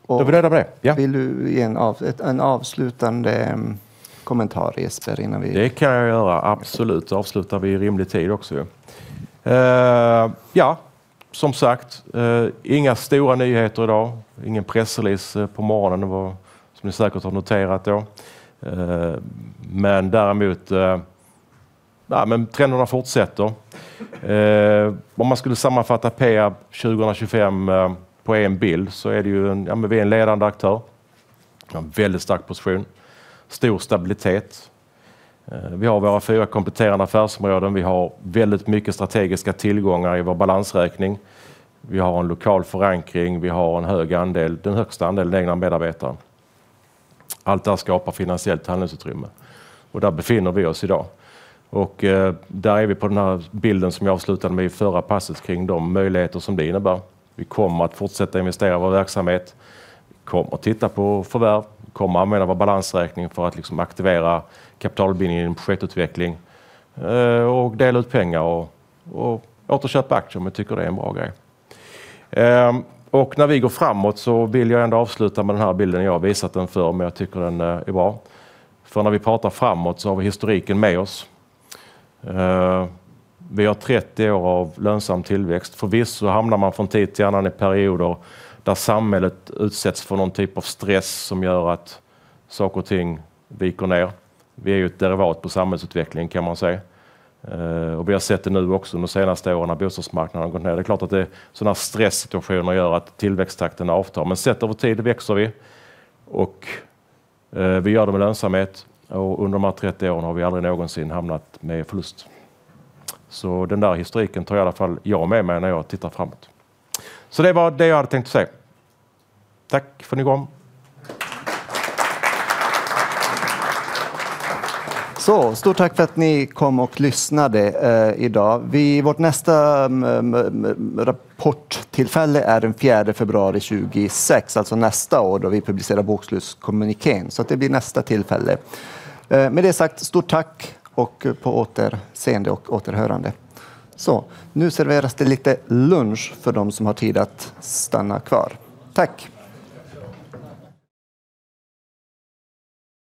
Då är vi nöjda med det. Vill du ge en avslutande kommentar Jesper innan vi? Det kan jag göra. Absolut, då avslutar vi i rimlig tid också ju. Ja, som sagt, inga stora nyheter idag. Ingen pressrelease på morgonen, det var som ni säkert har noterat då. Men däremot, ja men trenderna fortsätter. Om man skulle sammanfatta PR 2025 på en bild så är det ju, ja men vi är en ledande aktör. Vi har en väldigt stark position. Stor stabilitet. Vi har våra fyra kompletterande affärsområden. Vi har väldigt mycket strategiska tillgångar i vår balansräkning. Vi har en lokal förankring. Vi har en hög andel, den högsta andelen egna medarbetare. Allt det här skapar finansiellt handlingsutrymme. Där befinner vi oss idag. Där är vi på den här bilden som jag avslutade med i förra passet kring de möjligheter som det innebär. Vi kommer att fortsätta investera i vår verksamhet. Vi kommer att titta på förvärv. Vi kommer att använda vår balansräkning för att aktivera kapitalbindning i en projektutveckling och dela ut pengar och återköpa aktier om vi tycker det är en bra grej. När vi går framåt så vill jag avsluta med den här bilden. Jag har visat den förr, men jag tycker den är bra. För när vi pratar framåt så har vi historiken med oss. Vi har 30 år av lönsam tillväxt. Förvisso hamnar man från tid till annan i perioder där samhället utsätts för någon typ av stress som gör att saker och ting viker ner. Vi är ju ett derivat på samhällsutveckling kan man säga, och vi har sett det nu också under senaste åren när bostadsmarknaden har gått ner. Det är klart att det är sådana här stressituationer gör att tillväxttakten avtar. Men sett över tid växer vi, och vi gör det med lönsamhet. Under de här 30 åren har vi aldrig någonsin hamnat med förlust. Den där historiken tar jag i alla fall med mig när jag tittar framåt. Det var det jag hade tänkt att säga. Tack för att ni kom. Stort tack för att ni kom och lyssnade idag. Vårt nästa rapporttillfälle är den 4 februari 2025. Alltså nästa år då vi publicerar bokslutskommunikén. Det blir nästa tillfälle. Med det sagt, stort tack och på återseende och återhörande. Nu serveras det lite lunch för de som har tid att stanna kvar. Tack.